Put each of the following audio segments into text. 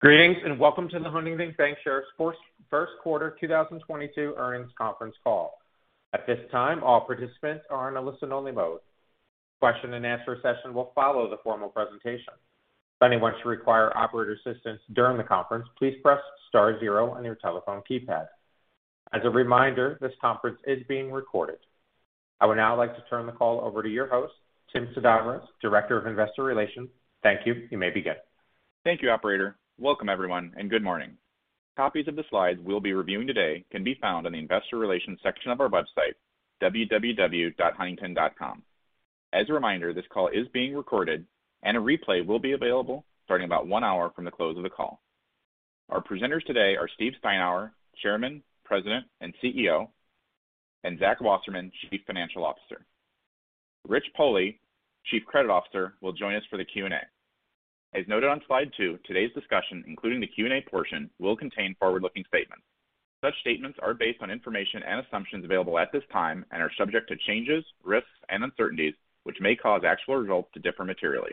Greetings, and welcome to the Huntington Bancshares First Quarter 2022 Earnings Conference Call. At this time, all participants are in a listen-only mode. Question and answer session will follow the formal presentation. If anyone should require operator assistance during the conference, please press star zero on your telephone keypad. As a reminder, this conference is being recorded. I would now like to turn the call over to your host, Tim Sedabres, Director of Investor Relations. Thank you. You may begin. Thank you, operator. Welcome everyone, and good morning. Copies of the slides we'll be reviewing today can be found on the investor relations section of our website, www.huntington.com. As a reminder, this call is being recorded, and a replay will be available starting about one hour from the close of the call. Our presenters today are Steve Steinour, Chairman, President, and CEO, and Zach Wasserman, Chief Financial Officer. Rich Pohle, Chief Credit Officer, will join us for the Q&A. As noted on slide two, today's discussion, including the Q&A portion, will contain forward-looking statements. Such statements are based on information and assumptions available at this time and are subject to changes, risks, and uncertainties, which may cause actual results to differ materially.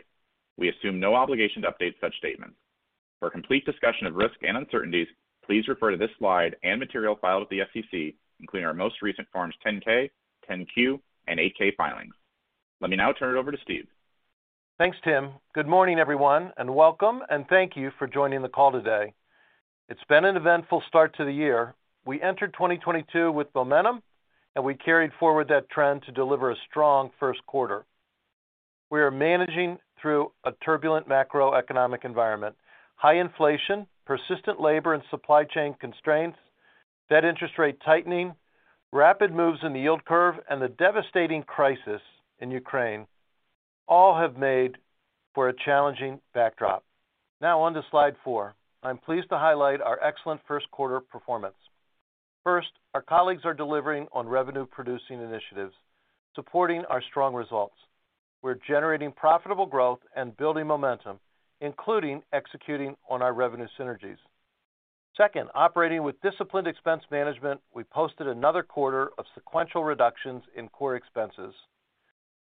We assume no obligation to update such statements. For a complete discussion of risks and uncertainties, please refer to this slide and material filed with the SEC, including our most recent Forms 10-K, 10-Q, and 8-K filings. Let me now turn it over to Steve. Thanks, Tim. Good morning, everyone, and welcome, and thank you for joining the call today. It's been an eventful start to the year. We entered 2022 with momentum, and we carried forward that trend to deliver a strong first quarter. We are managing through a turbulent macroeconomic environment. High inflation, persistent labor and supply chain constraints, debt interest rate tightening, rapid moves in the yield curve, and the devastating crisis in Ukraine all have made for a challenging backdrop. Now on to slide 4. I'm pleased to highlight our excellent first quarter performance. First, our colleagues are delivering on revenue-producing initiatives, supporting our strong results. We're generating profitable growth and building momentum, including executing on our revenue synergies. Second, operating with disciplined expense management, we posted another quarter of sequential reductions in core expenses.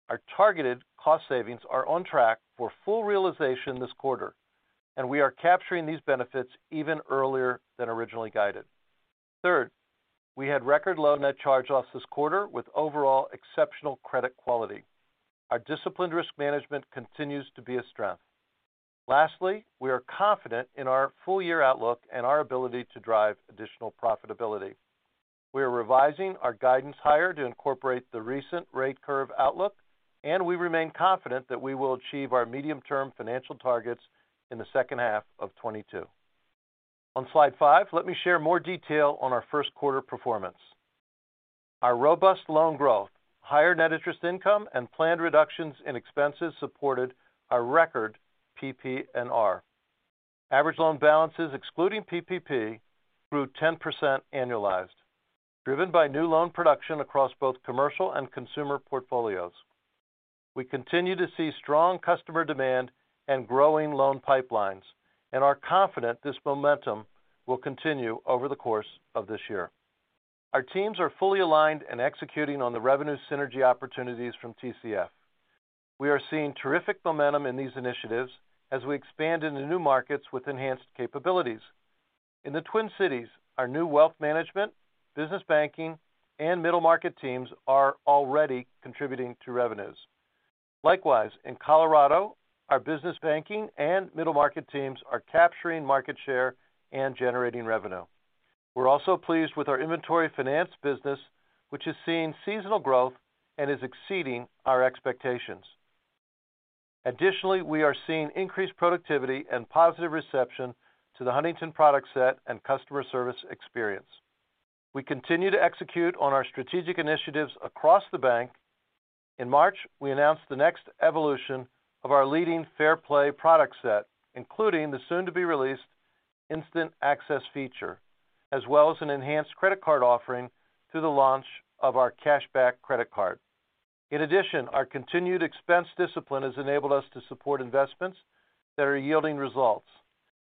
Our targeted cost savings are on track for full realization this quarter, and we are capturing these benefits even earlier than originally guided. Third, we had record low net charge offs this quarter with overall exceptional credit quality. Our disciplined risk management continues to be a strength. Lastly, we are confident in our full year outlook and our ability to drive additional profitability. We are revising our guidance higher to incorporate the recent rate curve outlook, and we remain confident that we will achieve our medium-term financial targets in the second half of 2022. On slide 5, let me share more detail on our first quarter performance. Our robust loan growth, higher net interest income, and planned reductions in expenses supported our record PPNR. Average loan balances excluding PPP grew 10% annualized, driven by new loan production across both commercial and consumer portfolios. We continue to see strong customer demand and growing loan pipelines and are confident this momentum will continue over the course of this year. Our teams are fully aligned and executing on the revenue synergy opportunities from TCF. We are seeing terrific momentum in these initiatives as we expand into new markets with enhanced capabilities. In the Twin Cities, our new Wealth Management, Business Banking, and Middle Market teams are already contributing to revenues. Likewise, in Colorado, our Business Banking and Middle Market teams are capturing market share and generating revenue. We're also pleased with our Inventory Finance business, which is seeing seasonal growth and is exceeding our expectations. Additionally, we are seeing increased productivity and positive reception to the Huntington product set and customer service experience. We continue to execute on our strategic initiatives across the bank. In March, we announced the next evolution of our leading Fair Play product set, including the soon-to-be-released Instant Access feature, as well as an enhanced credit card offering through the launch of our Cashback Credit Card. In addition, our continued expense discipline has enabled us to support investments that are yielding results.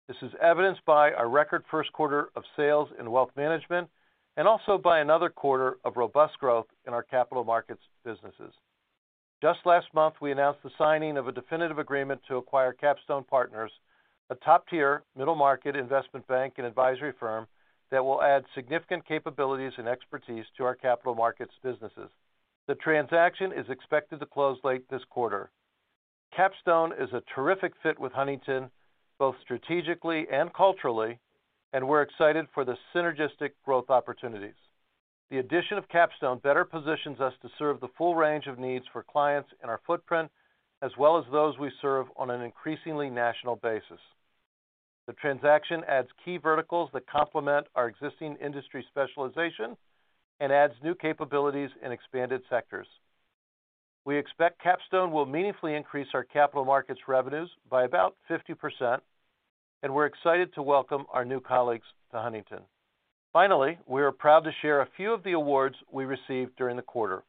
This is evidenced by our record first quarter of sales in Wealth Management and also by another quarter of robust growth in our Capital Markets businesses. Just last month, we announced the signing of a definitive agreement to acquire Capstone Partners, a top-tier middle market investment bank and advisory firm that will add significant capabilities and expertise to our Capital Markets businesses. The transaction is expected to close late this quarter. Capstone is a terrific fit with Huntington, both strategically and culturally, and we're excited for the synergistic growth opportunities. The addition of Capstone better positions us to serve the full range of needs for clients in our footprint, as well as those we serve on an increasingly national basis. The transaction adds key verticals that complement our existing industry specialization and adds new capabilities in expanded sectors. We expect Capstone will meaningfully increase our capital markets revenues by about 50%, and we're excited to welcome our new colleagues to Huntington. Finally, we are proud to share a few of the awards we received during the quarter.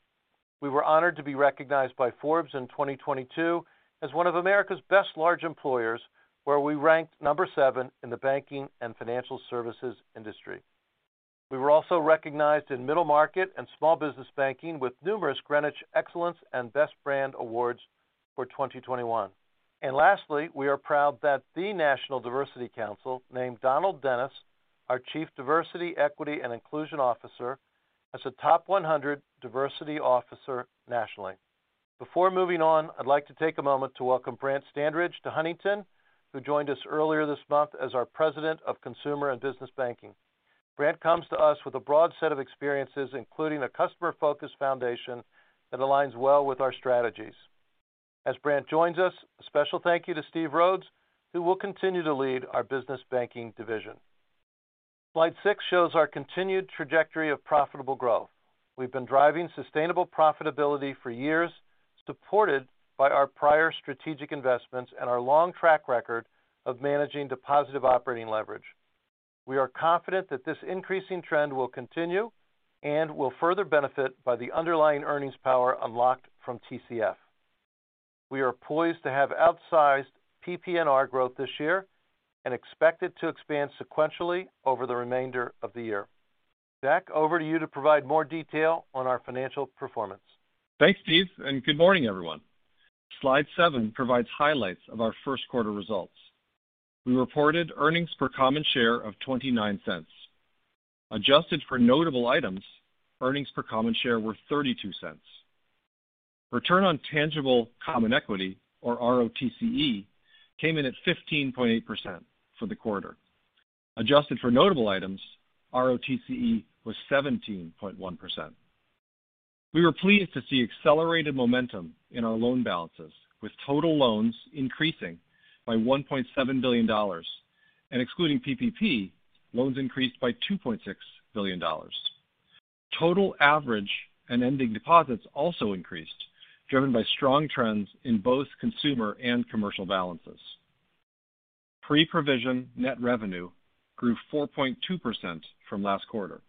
We were honored to be recognized by Forbes in 2022 as one of America's Best Large Employers, where we ranked number 7 in the Banking and Financial Services industry. We were also recognized in Middle market and Small business banking with numerous Greenwich Excellence and Best Brand Awards for 2021. Lastly, we are proud that the National Diversity Council named Donald Dennis, our Chief Diversity, Equity, and Inclusion Officer, as a top 100 diversity officer nationally. Before moving on, I'd like to take a moment to welcome Brant Standridge to Huntington, who joined us earlier this month as our President of Consumer and Business Banking. Brant comes to us with a broad set of experiences, including a customer-focused foundation that aligns well with our strategies. As Brant joins us, a special thank you to Steve Rhodes, who will continue to lead our business banking division. Slide 6 shows our continued trajectory of profitable growth. We've been driving sustainable profitability for years, supported by our prior strategic investments and our long track record of managing the positive operating leverage. We are confident that this increasing trend will continue and will further benefit by the underlying earnings power unlocked from TCF. We are poised to have outsized PPNR growth this year and expect it to expand sequentially over the remainder of the year. Zach, over to you to provide more detail on our financial performance. Thanks, Steve, and good morning, everyone. Slide 7 provides highlights of our first quarter results. We reported earnings per common share of $0.29. Adjusted for notable items, earnings per common share were $0.32. Return on tangible common equity, or ROTCE, came in at 15.8% for the quarter. Adjusted for notable items, ROTCE was 17.1%. We were pleased to see accelerated momentum in our loan balances, with total loans increasing by $1.7 billion. Excluding PPP, loans increased by $2.6 billion. Total average and ending deposits also increased, driven by strong trends in both consumer and commercial balances. Pre-provision net revenue grew 4.2% from last quarter,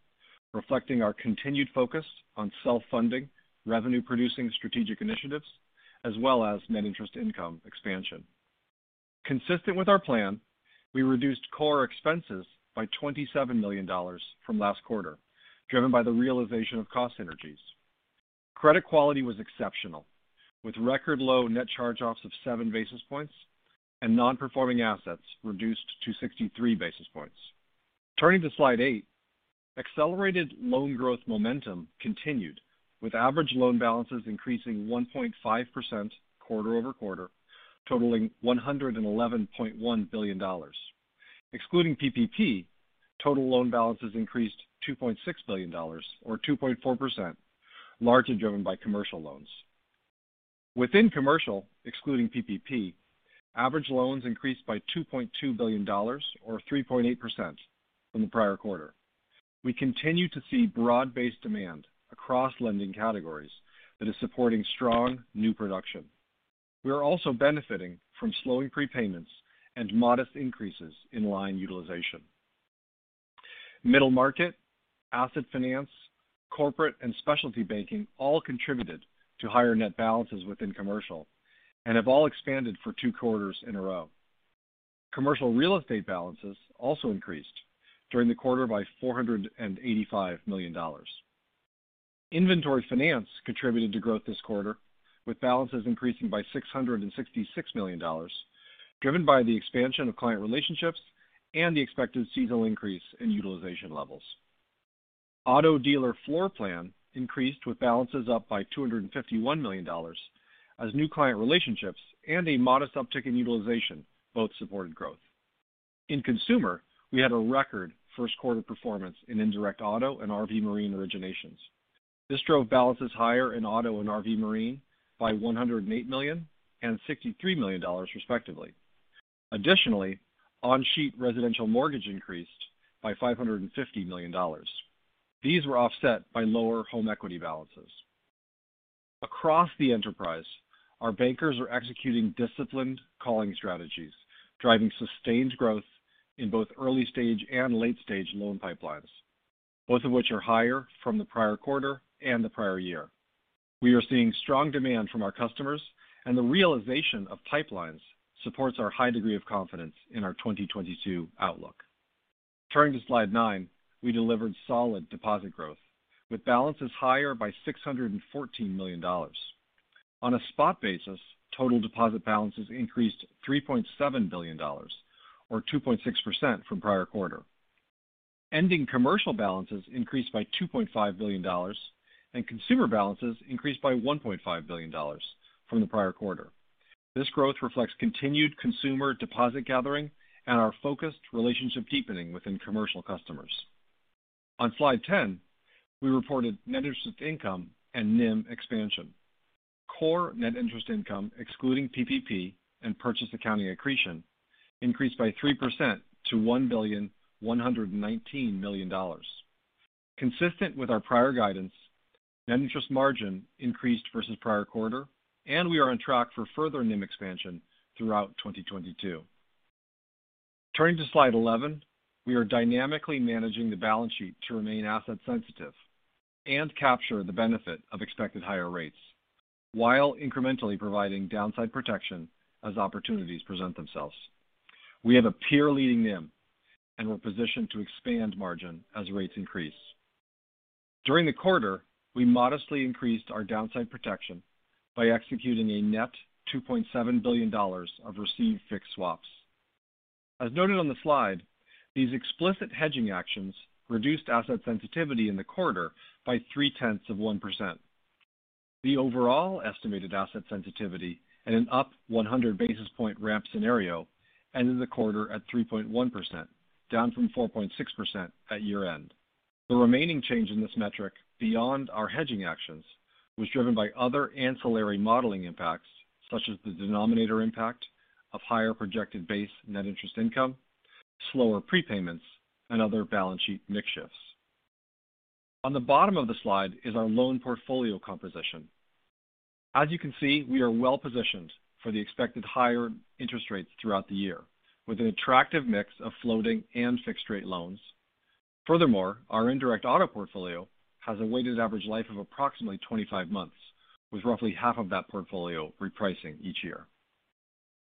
reflecting our continued focus on self-funding, revenue-producing strategic initiatives, as well as net interest income expansion. Consistent with our plan, we reduced core expenses by $27 million from last quarter, driven by the realization of cost synergies. Credit quality was exceptional, with record low net charge-offs of 7 basis points and non-performing assets reduced to 63 basis points. Turning to slide 8, accelerated loan growth momentum continued with average loan balances increasing 1.5% quarter-over-quarter, totaling $111.1 billion. Excluding PPP, total loan balances increased $2.6 billion or 2.4%, largely driven by commercial loans. Within commercial, excluding PPP, average loans increased by $2.2 billion or 3.8% from the prior quarter. We continue to see broad-based demand across lending categories that is supporting strong new production. We are also benefiting from slowing prepayments and modest increases in line utilization. Middle market, asset finance, corporate, and specialty banking all contributed to higher net balances within commercial and have all expanded for two quarters in a row. Commercial real estate balances also increased during the quarter by $485 million. Inventory finance contributed to growth this quarter, with balances increasing by $666 million, driven by the expansion of client relationships and the expected seasonal increase in utilization levels. Auto dealer floor plan increased with balances up by $251 million as new client relationships and a modest uptick in utilization both supported growth. In consumer, we had a record first quarter performance in indirect Auto and RV marine originations. This drove balances higher in Auto and RV marine by $108 million and $63 million respectively. Additionally, on-sheet residential mortgage increased by $550 million. These were offset by lower home equity balances. Across the enterprise, our bankers are executing disciplined calling strategies, driving sustained growth in both early stage and late stage loan pipelines, both of which are higher from the prior quarter and the prior year. We are seeing strong demand from our customers and the realization of pipelines supports our high degree of confidence in our 2022 outlook. Turning to slide nine, we delivered solid deposit growth with balances higher by $614 million. On a spot basis, total deposit balances increased $3.7 billion or 2.6% from prior quarter. Ending commercial balances increased by $2.5 billion and consumer balances increased by $1.5 billion from the prior quarter. This growth reflects continued consumer deposit gathering and our focused relationship deepening within commercial customers. On slide 10, we reported net interest income and NIM expansion. Core net interest income, excluding PPP and purchase accounting accretion, increased by 3% to $1.119 billion. Consistent with our prior guidance, net interest margin increased versus prior quarter, and we are on track for further NIM expansion throughout 2022. Turning to slide 11. We are dynamically managing the balance sheet to remain asset sensitive and capture the benefit of expected higher rates. While incrementally providing downside protection as opportunities present themselves. We have a peer leading NIM, and we're positioned to expand margin as rates increase. During the quarter, we modestly increased our downside protection by executing a net $2.7 billion of received fixed swaps. As noted on the slide, these explicit hedging actions reduced asset sensitivity in the quarter by 0.3%. The overall estimated asset sensitivity in an up 100 basis point ramp scenario ended the quarter at 3.1%, down from 4.6% at year-end. The remaining change in this metric beyond our hedging actions was driven by other ancillary modeling impacts, such as the denominator impact of higher projected base net interest income, slower prepayments, and other balance sheet mix shifts. On the bottom of the slide is our loan portfolio composition. As you can see, we are well-positioned for the expected higher interest rates throughout the year with an attractive mix of floating and fixed-rate loans. Furthermore, our indirect Auto portfolio has a weighted average life of approximately 25 months, with roughly half of that portfolio repricing each year.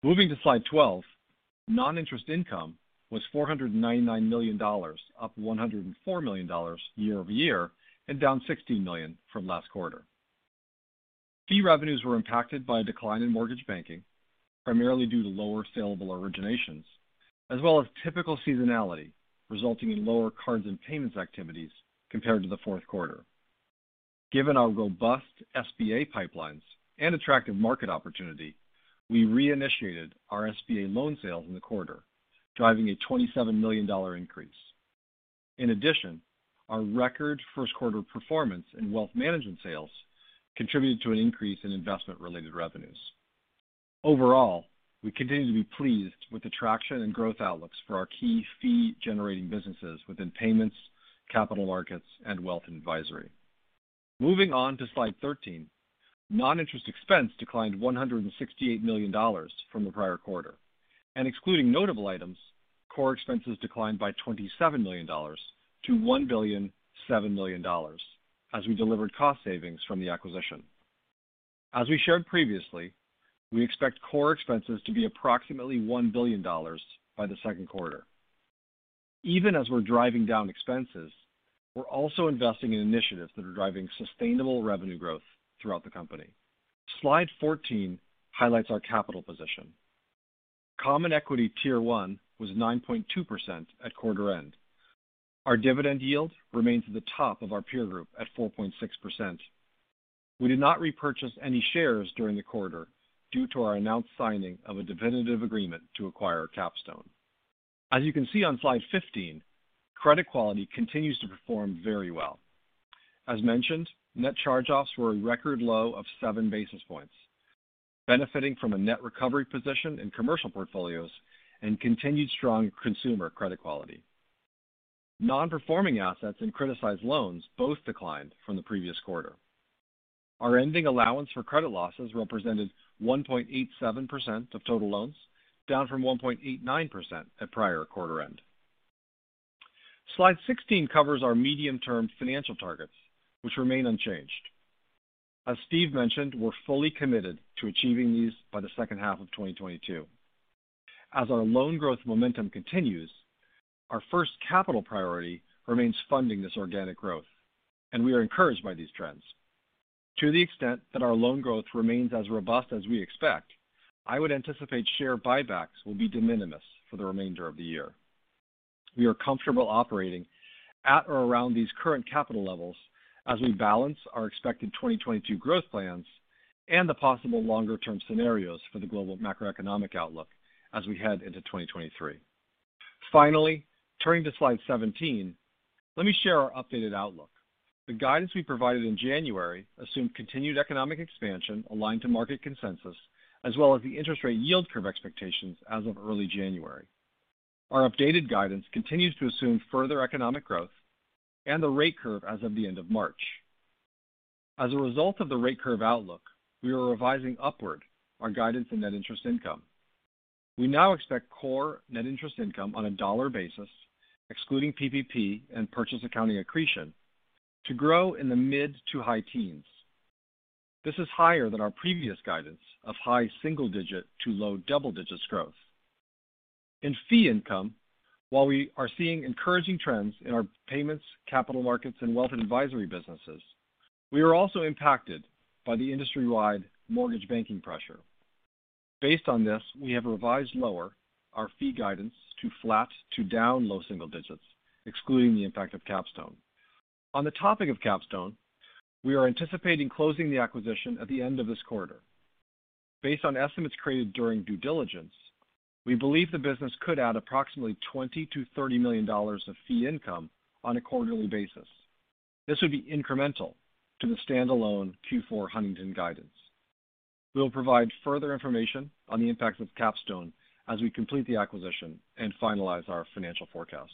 Moving to slide 12. Non-interest income was $499 million, up $104 million year-over-year, and down $16 million from last quarter. Fee revenues were impacted by a decline in mortgage banking, primarily due to lower saleable originations, as well as typical seasonality, resulting in lower cards and payments activities compared to the fourth quarter. Given our robust SBA pipelines and attractive market opportunity, we reinitiated our SBA loan sales in the quarter, driving a $27 million increase. In addition, our record first quarter performance in wealth management sales contributed to an increase in investment-related revenues. Overall, we continue to be pleased with the traction and growth outlooks for our key fee-generating businesses within payments, capital markets, and wealth advisory. Moving on to slide 13. Non-interest expense declined $168 million from the prior quarter, and excluding notable items, core expenses declined by $27 million to $1.007 billion as we delivered cost savings from the acquisition. We expect core expenses to be approximately $1 billion by the second quarter. Even as we're driving down expenses, we're also investing in initiatives that are driving sustainable revenue growth throughout the company. Slide 14 highlights our capital position. Common Equity Tier 1 was 9.2% at quarter end. Our dividend yield remains at the top of our peer group at 4.6%. We did not repurchase any shares during the quarter due to our announced signing of a definitive agreement to acquire Capstone. As you can see on Slide 15, credit quality continues to perform very well. As mentioned, net charge-offs were a record low of 7 basis points, benefiting from a net recovery position in commercial portfolios and continued strong consumer credit quality. Non-performing assets and criticized loans both declined from the previous quarter. Our ending allowance for credit losses represented 1.87% of total loans, down from 1.89% at prior quarter end. Slide 16 covers our medium-term financial targets, which remain unchanged. As Steve mentioned, we're fully committed to achieving these by the second half of 2022. As our loan growth momentum continues, our first capital priority remains funding this organic growth, and we are encouraged by these trends. To the extent that our loan growth remains as robust as we expect, I would anticipate share buybacks will be de minimis for the remainder of the year. We are comfortable operating at or around these current capital levels as we balance our expected 2022 growth plans and the possible longer-term scenarios for the global macroeconomic outlook as we head into 2023. Finally, turning to slide 17, let me share our updated outlook. The guidance we provided in January assumed continued economic expansion aligned to market consensus, as well as the interest rate yield curve expectations as of early January. Our updated guidance continues to assume further economic growth and the rate curve as of the end of March. As a result of the rate curve outlook, we are revising upward our guidance in net interest income. We now expect core net interest income on a dollar basis, excluding PPP and purchase accounting accretion, to grow in the mid- to high teens%. This is higher than our previous guidance of high single-digit to low double-digit growth. In fee income, while we are seeing encouraging trends in our Payments, Capital Markets, and Wealth and Advisory businesses, we are also impacted by the industry-wide mortgage banking pressure. Based on this, we have revised our fee guidance lower to flat to down low single digits, excluding the impact of Capstone. On the topic of Capstone, we are anticipating closing the acquisition at the end of this quarter. Based on estimates created during due diligence, we believe the business could add approximately $20 million-$30 million of fee income on a quarterly basis. This would be incremental to the standalone Q4 Huntington guidance. We'll provide further information on the impacts of Capstone as we complete the acquisition and finalize our financial forecast.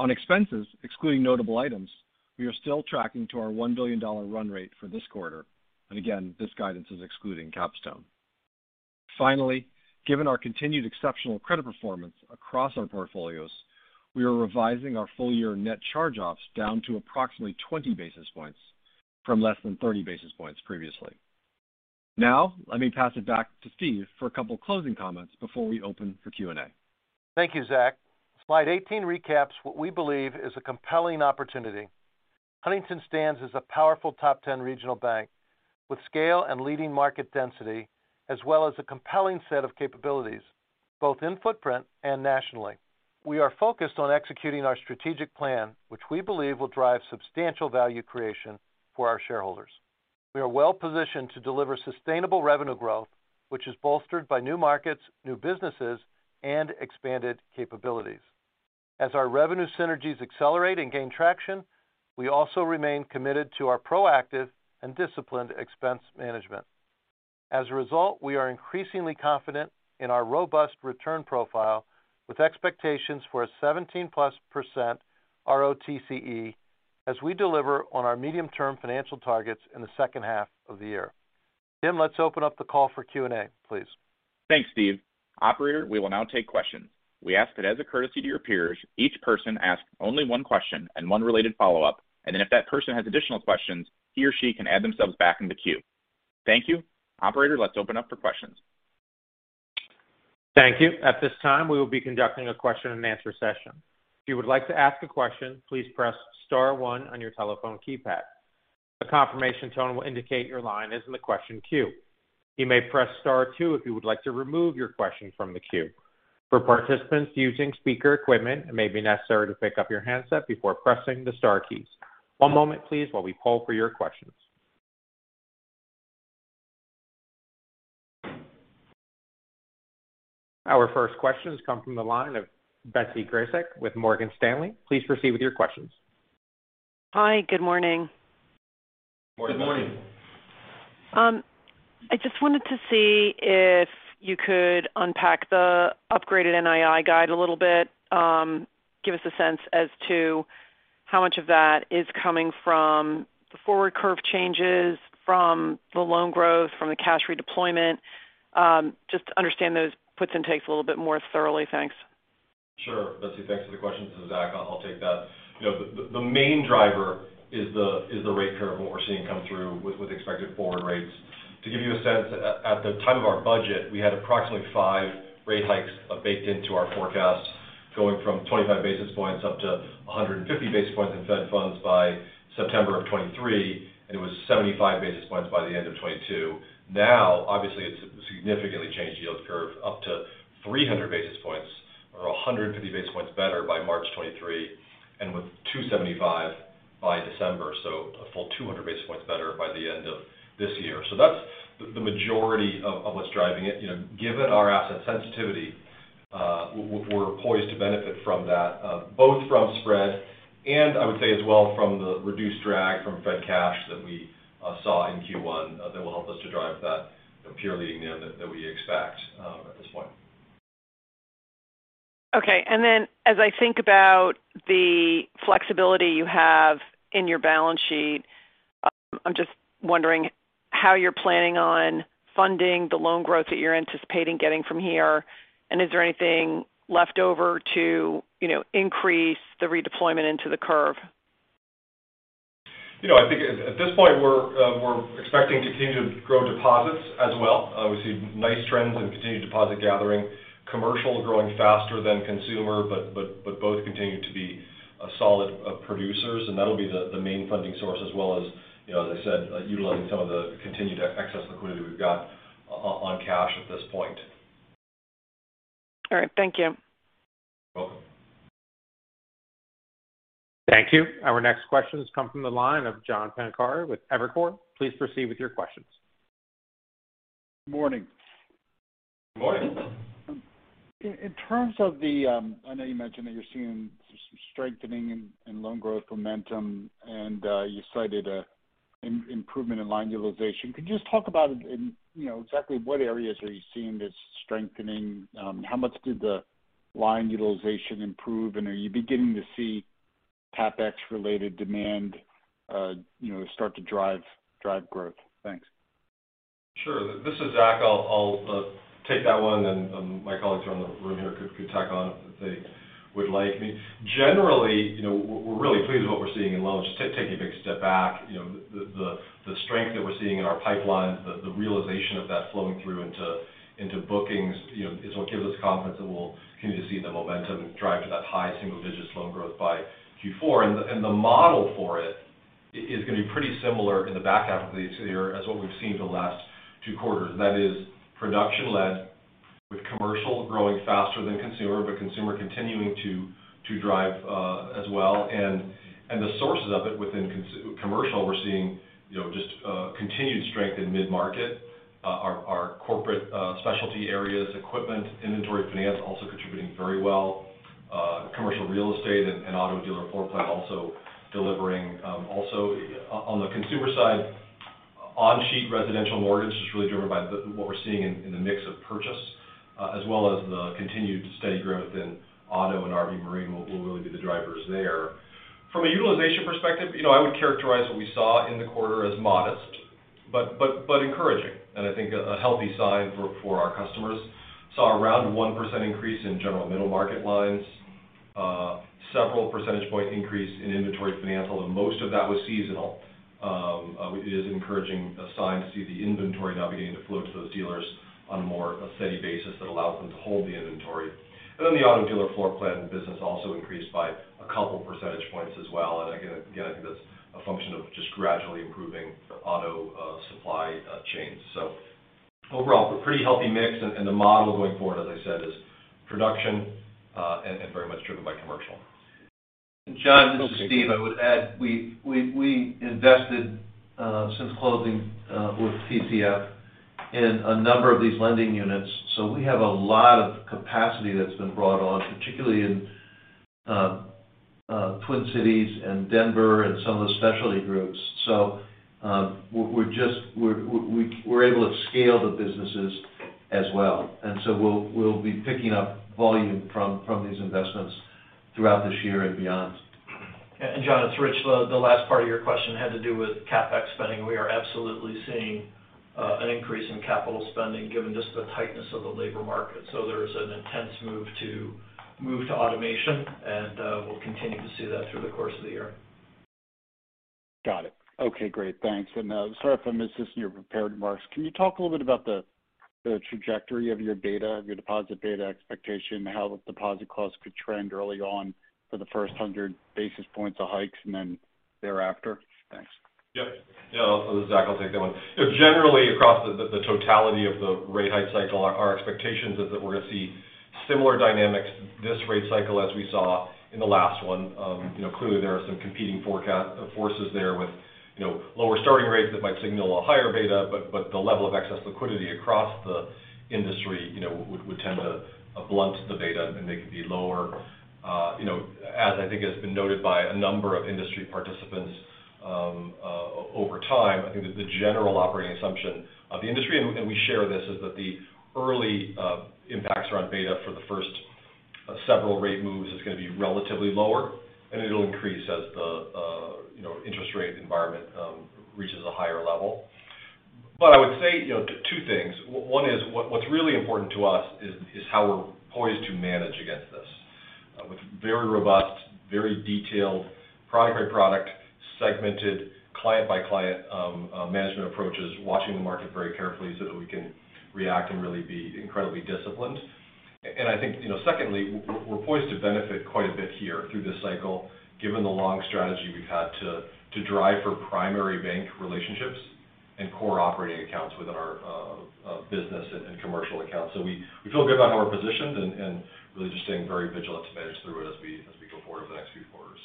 On expenses, excluding notable items, we are still tracking to our $1 billion run rate for this quarter. Again, this guidance is excluding Capstone. Finally, given our continued exceptional credit performance across our portfolios, we are revising our full year net charge-offs down to approximately 20 basis points from less than 30 basis points previously. Now, let me pass it back to Steve for a couple closing comments before we open for Q&A. Thank you, Zach. Slide 18 recaps what we believe is a compelling opportunity. Huntington stands as a powerful top 10 regional bank with scale and leading market density, as well as a compelling set of capabilities, both in footprint and nationally. We are focused on executing our strategic plan, which we believe will drive substantial value creation for our shareholders. We are well-positioned to deliver sustainable revenue growth, which is bolstered by new markets, new businesses, and expanded capabilities. As our revenue synergies accelerate and gain traction, we also remain committed to our proactive and disciplined expense management. As a result, we are increasingly confident in our robust return profile with expectations for a 17%+ ROTCE as we deliver on our medium-term financial targets in the second half of the year. Tim, let's open up the call for Q&A, please. Thanks, Steve. Operator, we will now take questions. We ask that as a courtesy to your peers, each person ask only one question and one related follow-up, and then if that person has additional questions, he or she can add themselves back in the queue. Thank you. Operator, let's open up for questions. Thank you. At this time, we will be conducting a question and answer session. If you would like to ask a question, please press star one on your telephone keypad. A confirmation tone will indicate your line is in the question queue. You may press star two if you would like to remove your question from the queue. For participants using speaker equipment, it may be necessary to pick up your handset before pressing the star keys. One moment, please, while we poll for your questions. Our first question has come from the line of Betsy Graseck with Morgan Stanley. Please proceed with your questions. Hi. Good morning. Good morning. Good morning. I just wanted to see if you could unpack the upgraded NII guide a little bit. Give us a sense as to how much of that is coming from the forward curve changes from the loan growth from the cash redeployment. Just to understand those puts and takes a little bit more thoroughly. Thanks. Sure. Betsy, thanks for the question. This is Zach. I'll take that. You know, the main driver is the rate curve, what we're seeing come through with expected forward rates. To give you a sense, at the time of our budget, we had approximately 5 rate hikes baked into our forecast, going from 25 basis points up to 150 basis points in Fed funds by September of 2023, and it was 75 basis points by the end of 2022. Now, obviously, it's significantly changed yield curve up to 300 basis points or 150 basis points better by March 2023 and with 275 by December, so a full 200 basis points better by the end of this year. That's the majority of what's driving it. You know, given our asset sensitivity, we're poised to benefit from that, both from spread and I would say as well from the reduced drag from Fed cash that we saw in Q1, that will help us to drive the forward-looking NIM that we expect at this point. Okay. Then as I think about the flexibility you have in your balance sheet, I'm just wondering how you're planning on funding the loan growth that you're anticipating getting from here. Is there anything left over to, you know, increase the redeployment into the curve? You know, I think at this point, we're expecting continued growth deposits as well. We see nice trends in continued deposit gathering. Commercial growing faster than consumer, but both continue to be a solid producers, and that'll be the main funding source as well as, you know, as I said, utilizing some of the continued excess liquidity we've got on cash at this point. All right. Thank you. You're welcome. Thank you. Our next question has come from the line of John Pancari with Evercore. Please proceed with your questions. Morning. Morning. In terms of the, I know you mentioned that you're seeing some strengthening in loan growth momentum, and you cited an improvement in line utilization. Could you just talk about, you know, exactly what areas are you seeing this strengthening? How much did the line utilization improve? And are you beginning to see CapEx related demand, you know, start to drive growth? Thanks. Sure. This is Zach. I'll take that one, and my colleagues around the room here could tag on if they would like. I mean, generally, you know, we're really pleased what we're seeing in loans. Just taking a big step back, you know, the strength that we're seeing in our pipelines, the realization of that flowing through into bookings, you know, is what gives us confidence that we'll continue to see the momentum drive to that high single-digit loan growth by Q4. The model for it is gonna be pretty similar in the back half of the year as what we've seen the last two quarters. That is production-led with commercial growing faster than consumer, but consumer continuing to drive as well. The sources of it within commercial, we're seeing, you know, just continued strength in mid-market. Our corporate specialty areas, equipment, inventory finance also contributing very well. Commercial real estate and Auto dealer floor plan also delivering. Also on the consumer side, on-balance-sheet residential mortgage is really driven by what we're seeing in the mix of purchase, as well as the continued steady growth in Auto and RV and marine will really be the drivers there. From a utilization perspective, you know, I would characterize what we saw in the quarter as modest, but encouraging. I think a healthy sign for our customers. Saw around 1% increase in general middle market lines. Several percentage point increase in inventory finance, and most of that was seasonal. It is encouraging sign to see the inventory now beginning to flow to those dealers on a more steady basis that allows them to hold the inventory. Then the Auto Dealer Floorplan business also increased by a couple percentage points as well. Again, I think that's a function of just gradually improving the Auto supply chains. Overall, a pretty healthy mix and the model going forward, as I said, is production and very much driven by commercial. John, this is Steve. I would add, we invested since closing with TCF in a number of these lending units. We have a lot of capacity that's been brought on, particularly in Twin Cities and Denver and some of the specialty groups. We're able to scale the businesses as well. We'll be picking up volume from these investments throughout this year and beyond. John, it's Rich. The last part of your question had to do with CapEx spending. We are absolutely seeing an increase in capital spending given just the tightness of the labor market. There's an intense move to Automation, and we'll continue to see that through the course of the year. Got it. Okay, great. Thanks. Sorry if I missed this in your prepared remarks. Can you talk a little bit about the trajectory of your deposit data expectation, how the deposit costs could trend early on for the first 100 basis points of hikes and then thereafter? Thanks. Yep. Yeah, this is Zach. I'll take that one. Generally across the totality of the rate hike cycle, our expectations is that we're gonna see similar dynamics this rate cycle as we saw in the last one. You know, clearly there are some competing forecast forces there with, you know, lower starting rates that might signal a higher beta, but the level of excess liquidity across the industry, you know, would tend to blunt the beta and make it be lower. You know, as I think has been noted by a number of industry participants, over time, I think that the general operating assumption of the industry, and we share this, is that the early impacts around beta for the first several rate moves is gonna be relatively lower and it'll increase as the interest rate environment reaches a higher level. I would say two things. One is, what's really important to us is how we're poised to manage against this with very robust, very detailed product-by-product, segmented client by client management approaches, watching the market very carefully so that we can react and really be incredibly disciplined. I think, you know, secondly, we're poised to benefit quite a bit here through this cycle given the long strategy we've had to drive for primary bank relationships and core operating accounts within our business and commercial accounts. We feel good about how we're positioned and really just staying very vigilant to manage through it as we go forward over the next few quarters.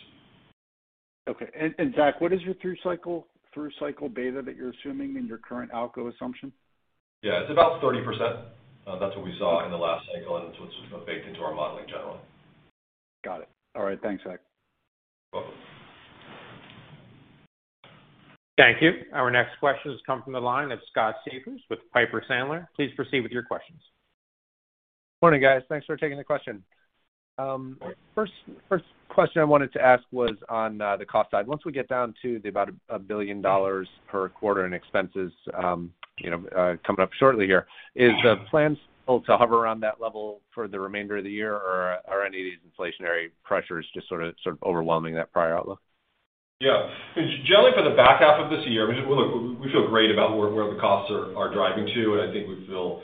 Okay. Zach, what is your through cycle beta that you're assuming in your current outlook assumption? Yeah. It's about 30%. That's what we saw in the last cycle, and it's what's sort of baked into our modeling generally. Got it. All right. Thanks, Zach. You're welcome. Thank you. Our next question has come from the line of Scott Siefers with Piper Sandler. Please proceed with your questions. Morning, guys. Thanks for taking the question. First question I wanted to ask was on the cost side. Once we get down to about $1 billion per quarter in expenses, you know, coming up shortly here, is the plan still to hover around that level for the remainder of the year or are any of these inflationary pressures just sort of overwhelming that prior outlook? Yeah. Generally for the back half of this year, I mean, look, we feel great about where the costs are driving to, and I think we feel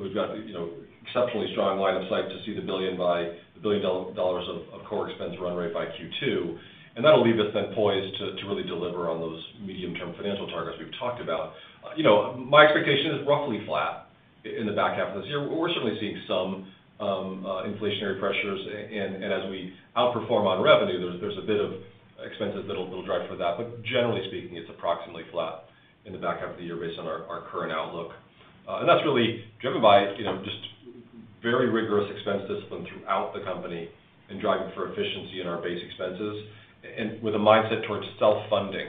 we've got the, you know, exceptionally strong line of sight to see the $1 billion of core expense run rate by Q2. That'll leave us then poised to really deliver on those medium-term financial targets we've talked about. You know, my expectation is roughly flat in the back half of this year. We're certainly seeing some inflationary pressures. As we outperform on revenue, there's a bit of expenses that'll drive for that. Generally speaking, it's approximately flat in the back half of the year based on our current outlook. That's really driven by, you know, just very rigorous expense discipline throughout the company and driving for efficiency in our base expenses and with a mindset towards self-funding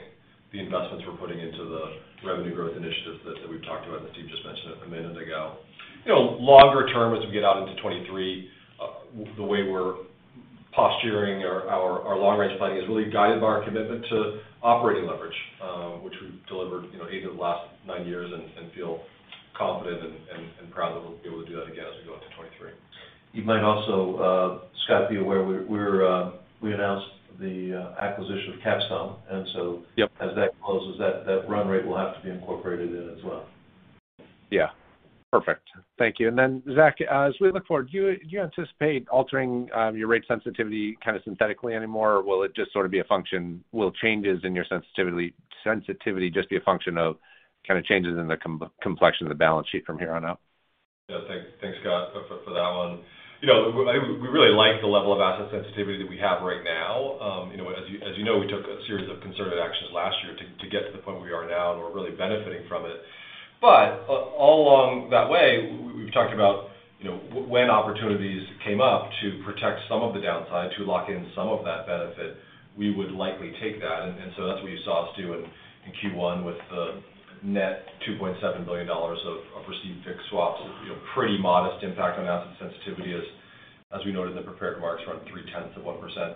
the investments we're putting into the revenue growth initiatives that we've talked about, and that Steve just mentioned a minute ago. You know, longer term as we get out into 2023, the way we're posturing our long-range planning is really guided by our commitment to operating leverage, which we've delivered, you know, eight of the last nine years and feel confident and proud that we'll be able to do that again as we go into 2023. You might also, Scott, be aware we announced the acquisition of Capstone. Yep. As that closes, that run rate will have to be incorporated in as well. Yeah. Perfect. Thank you. Zach, as we look forward, do you anticipate altering your rate sensitivity kind of synthetically anymore, or will changes in your sensitivity just be a function of kind of changes in the complexion of the balance sheet from here on out? Yeah. Thanks, Scott, for that one. You know, we really like the level of asset sensitivity that we have right now. You know, as you know, we took a series of conservative actions last year to get to the point where we are now, and we're really benefiting from it. But all along that way, we've talked about, you know, when opportunities came up to protect some of the downside, to lock in some of that benefit, we would likely take that. That's what you saw us do in Q1 with the net $2.7 billion of received fixed swaps. You know, pretty modest impact on asset sensitivity as we noted in the prepared remarks, around 0.3%.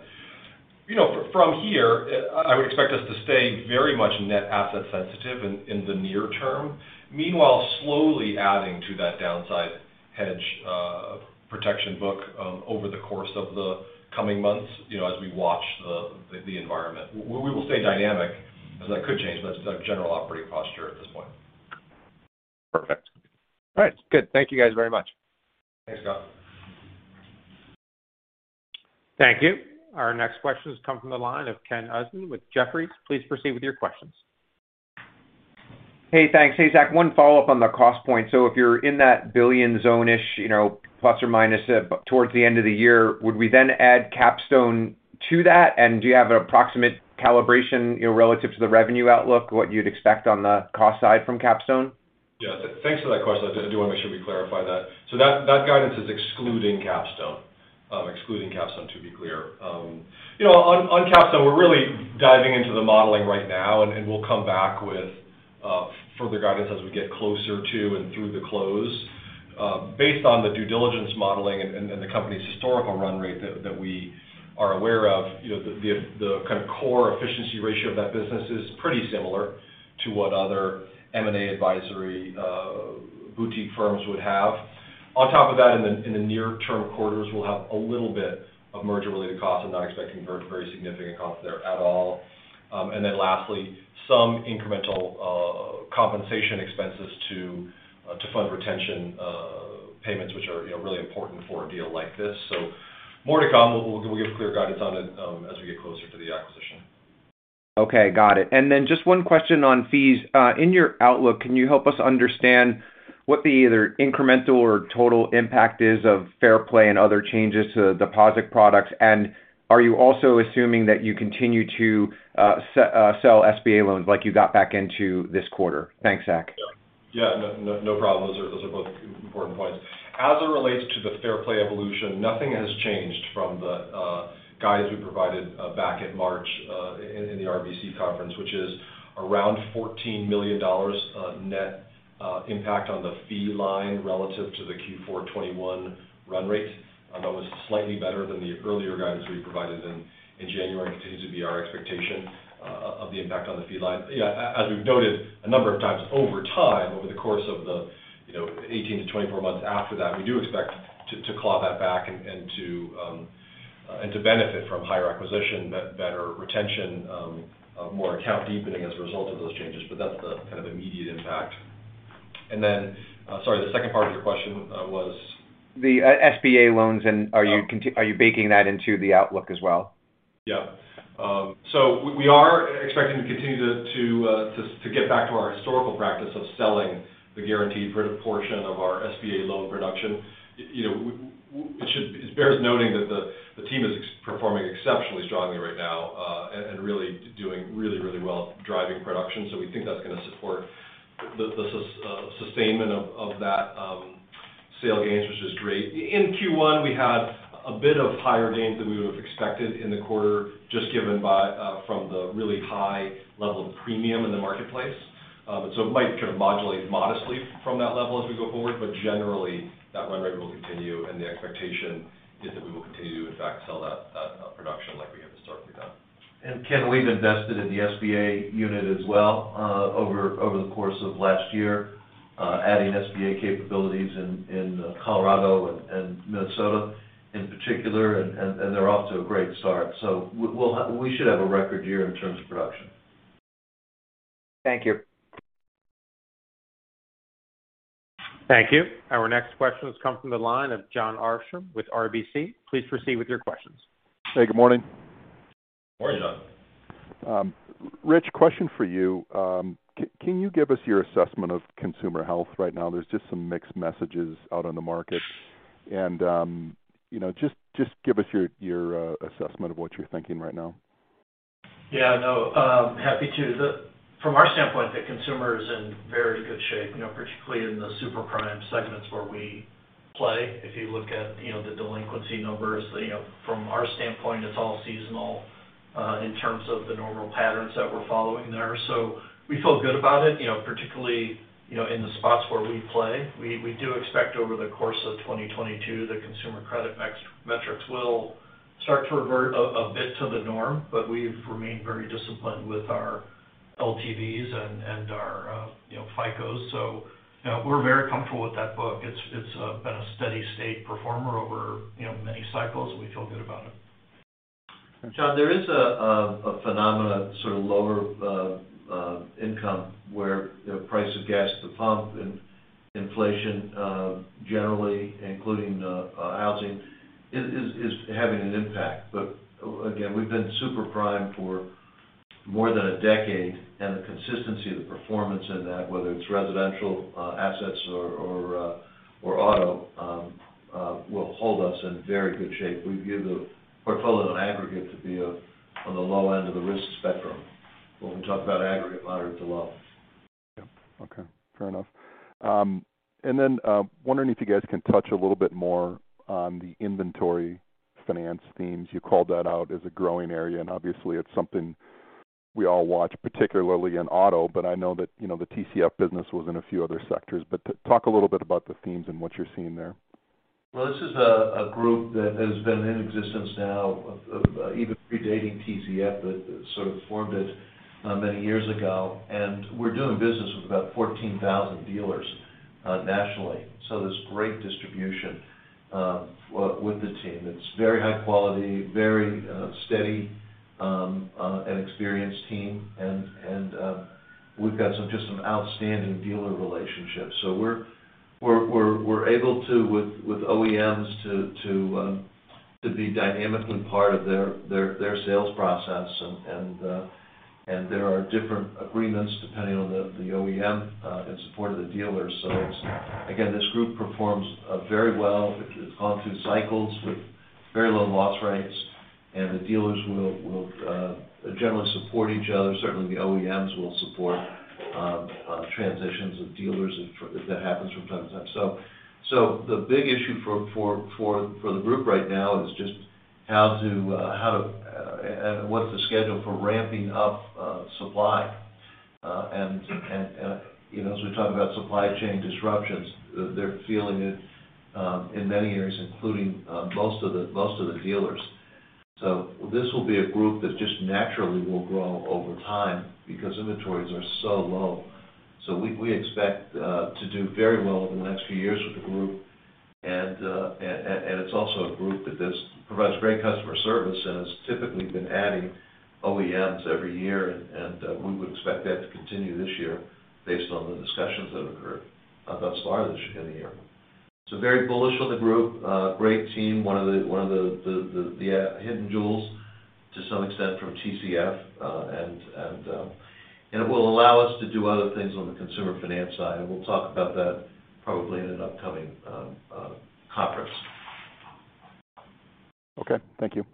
You know, from here, I would expect us to stay very much net asset sensitive in the near term. Meanwhile, slowly adding to that downside hedge protection book over the course of the coming months, you know, as we watch the environment. We will stay dynamic as that could change, but that's the general operating posture at this point. Perfect. All right. Good. Thank you guys very much. Thanks, Scott. Thank you. Our next question has come from the line of Ken Usdin with Jefferies. Please proceed with your questions. Hey, thanks. Hey, Zach, one follow-up on the cost point. If you're in that billion zone-ish, you know, plus or minus towards the end of the year, would we then add Capstone to that? And do you have an approximate calibration, you know, relative to the revenue outlook, what you'd expect on the cost side from Capstone? Yeah. Thanks for that question. I do want to make sure we clarify that. That guidance is excluding Capstone, to be clear. You know, on Capstone, we're really diving into the modeling right now, and we'll come back with further guidance as we get closer to and through the close. Based on the due diligence modeling and the company's historical run rate that we are aware of, you know, the kind of core efficiency ratio of that business is pretty similar to what other M&A advisory boutique firms would have. On top of that, in the near-term quarters, we'll have a little bit of merger-related costs. I'm not expecting very significant costs there at all. Lastly, some incremental compensation expenses to fund retention payments, which are, you know, really important for a deal like this. More to come. We'll give clear guidance on it as we get closer to the acquisition. Okay, got it. Just one question on fees. In your outlook, can you help us understand what the either incremental or total impact is of Fair Play and other changes to deposit products? Are you also assuming that you continue to sell SBA loans like you got back into this quarter? Thanks, Zach. Yeah. No problem. Those are both important points. As it relates to the Fair Play evolution, nothing has changed from the guidance we provided back in March in the RBC conference, which is around $14 million of net impact on the fee line relative to the Q4 2021 run rate. That was slightly better than the earlier guidance we provided in January and continues to be our expectation of the impact on the fee line. Yeah, as we've noted a number of times over the course of the, you know, 18-24 months after that, we do expect to claw that back and to benefit from higher acquisition, better retention, more account deepening as a result of those changes, but that's the kind of immediate impact. Sorry, the second part of your question was? The SBA loans, and are you baking that into the outlook as well? Yeah. We are expecting to continue to get back to our historical practice of selling the guaranteed portion of our SBA loan production. You know, it bears noting that the team is performing exceptionally strongly right now, and really doing really well driving production. We think that's going to support the sustainment of that sale gains, which is great. In Q1, we had a bit higher gains than we would have expected in the quarter, just given the really high level of premium in the marketplace. It might kind of modulate modestly from that level as we go forward, but generally that run rate will continue and the expectation is that we will continue to in fact sell that production like we have historically done. Ken, we've invested in the SBA unit as well, over the course of last year, adding SBA capabilities in Colorado and Minnesota in particular, and they're off to a great start. We should have a record year in terms of production. Thank you. Thank you. Our next question has come from the line of Jon Arfstrom with RBC. Please proceed with your questions. Hey, good morning. Morning, John. Rich, question for you. Can you give us your assessment of consumer health right now? There's just some mixed messages out on the market. You know, just give us your assessment of what you're thinking right now. Yeah, no, happy to. From our standpoint, the consumer is in very good shape, you know, particularly in the super prime segments where we play. If you look at, you know, the delinquency numbers, you know, from our standpoint it's all seasonal in terms of the normal patterns that we're following there. So we feel good about it, you know, particularly, you know, in the spots where we play. We do expect over the course of 2022 the consumer credit metrics will start to revert a bit to the norm, but we've remained very disciplined with our LTVs and our, you know, FICOs. So, you know, we're very comfortable with that book. It's been a steady state performer over, you know, many cycles. We feel good about it. John, there is a phenomenon sort of lower income where the price of gas at the pump and inflation generally including housing is having an impact. Again, we've been super prime for more than a decade and the consistency of the performance in that, whether it's residential assets or Auto, will hold us in very good shape. We view the portfolio on aggregate to be on the low end of the risk spectrum when we talk about aggregate moderate to low. Yeah. Okay. Fair enough. Wondering if you guys can touch a little bit more on the inventory finance themes. You called that out as a growing area, and obviously it's something we all watch, particularly in Auto. I know that, you know, the TCF business was in a few other sectors. Talk a little bit about the themes and what you're seeing there. Well, this is a group that has been in existence now of even predating TCF, but sort of formed it many years ago. We're doing business with about 14,000 dealers nationally. There's great distribution with the team. It's very high quality, very steady and experienced team. We've got some outstanding dealer relationships. We're able to, with OEMs to be dynamically part of their sales process. There are different agreements depending on the OEM in support of the dealers. It's again this group performs very well. It's gone through cycles with very low loss rates. The dealers will generally support each other. Certainly, the OEMs will support transitions of dealers if that happens from time to time. The big issue for the group right now is just how to and what's the schedule for ramping up supply. You know, as we talk about supply chain disruptions, they're feeling it in many areas, including most of the dealers. This will be a group that just naturally will grow over time because inventories are so low. We expect to do very well over the next few years with the group. It's also a group that provides great customer service and has typically been adding OEMs every year. We would expect that to continue this year based on the discussions that have occurred thus far in this year. Very bullish on the group. Great team. One of the hidden jewels to some extent from TCF. It will allow us to do other things on the consumer finance side, and we'll talk about that probably in an upcoming conference. Okay. Thank you.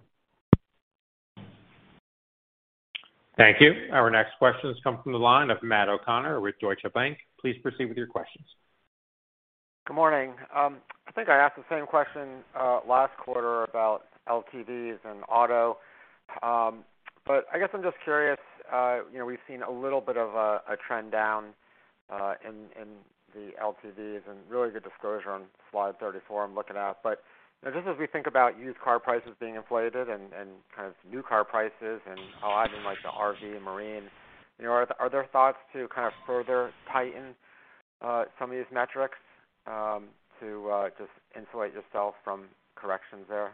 Thank you. Our next question comes from the line of Matt O'Connor with Deutsche Bank. Please proceed with your questions. Good morning. I think I asked the same question last quarter about LTVs and Auto. I guess I'm just curious, you know, we've seen a little bit of a trend down in the LTVs and really good disclosure on slide 34 I'm looking at. You know, just as we think about used car prices being inflated and kind of new car prices and a lot in like the RV and marine, you know, are there thoughts to kind of further tighten some of these metrics to just insulate yourself from corrections there?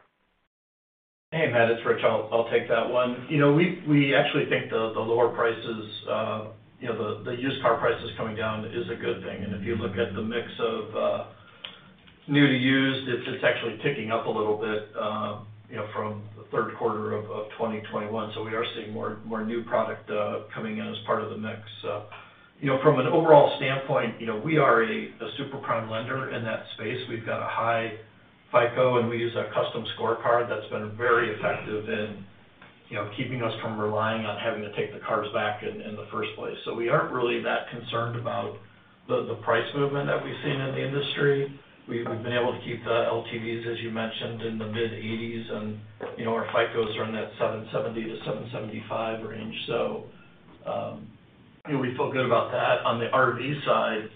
Hey, Matt, it's Rich. I'll take that one. You know, we actually think the lower prices, you know, the used car prices coming down is a good thing. If you look at the mix of new to used, it's actually ticking up a little bit, you know, from the third quarter of 2021. We are seeing more new product coming in as part of the mix. You know, from an overall standpoint, you know, we are a super prime lender in that space. We've got a high FICO, and we use a custom scorecard that's been very effective in, you know, keeping us from relying on having to take the cars back in the first place. We aren't really that concerned about the price movement that we've seen in the industry. We've been able to keep the LTVs, as you mentioned, in the mid-80s. You know, our FICOs are in that 770-775 range. You know, we feel good about that. On the RV side,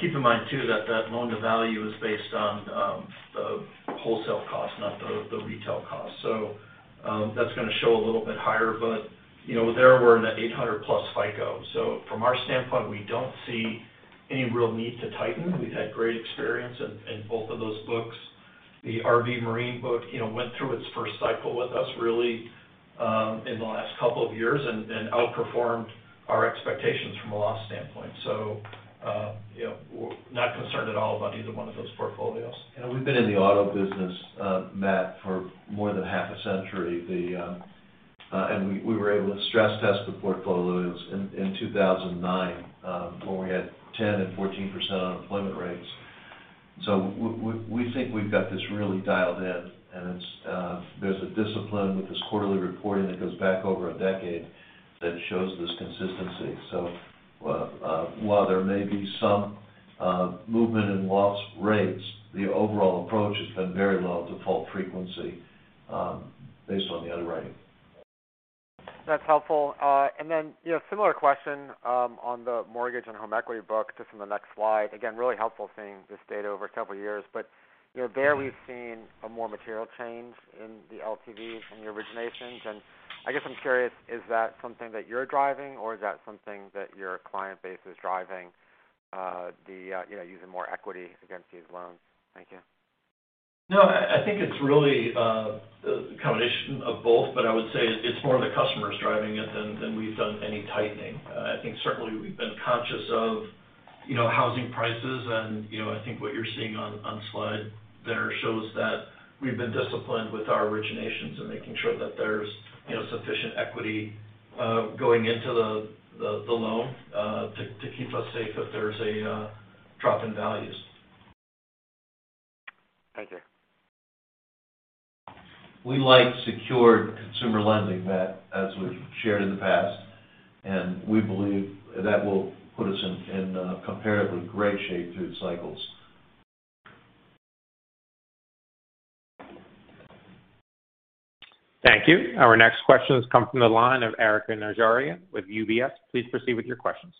keep in mind too that that loan-to-value is based on the wholesale cost, not the retail cost. That's gonna show a little bit higher. You know, there we're in the 800+ FICO. From our standpoint, we don't see any real need to tighten. We've had great experience in both of those books. The RV marine book, you know, went through its first cycle with us really in the last couple of years and outperformed our expectations from a loss standpoint. You know, we're not concerned at all about either one of those portfolios. We've been in the Auto business, Matt, for more than half a century. We were able to stress test the portfolios in 2009, when we had 10% and 14% unemployment rates. We think we've got this really dialed in, and there's a discipline with this quarterly reporting that goes back over a decade that shows this consistency. While there may be some movement in loss rates, the overall approach has been very low default frequency, based on the underwriting. That's helpful. You know, similar question on the mortgage and home equity book, just in the next slide. Again, really helpful seeing this data over a couple of years. You know, there we've seen a more material change in the LTV in your originations. I guess I'm curious, is that something that you're driving, or is that something that your client base is driving, the you know using more equity against these loans? Thank you. No, I think it's really a combination of both, but I would say it's more the customers driving it than we've done any tightening. I think certainly we've been conscious of, you know, housing prices. I think what you're seeing on slide there shows that we've been disciplined with our originations and making sure that there's, you know, sufficient equity going into the loan to keep us safe if there's a drop in values. Thank you. We like secured consumer lending, Matt, as we've shared in the past. We believe that will put us in comparatively great shape through the cycles. Thank you. Our next question has come from the line of Erika Najarian with UBS. Please proceed with your questions.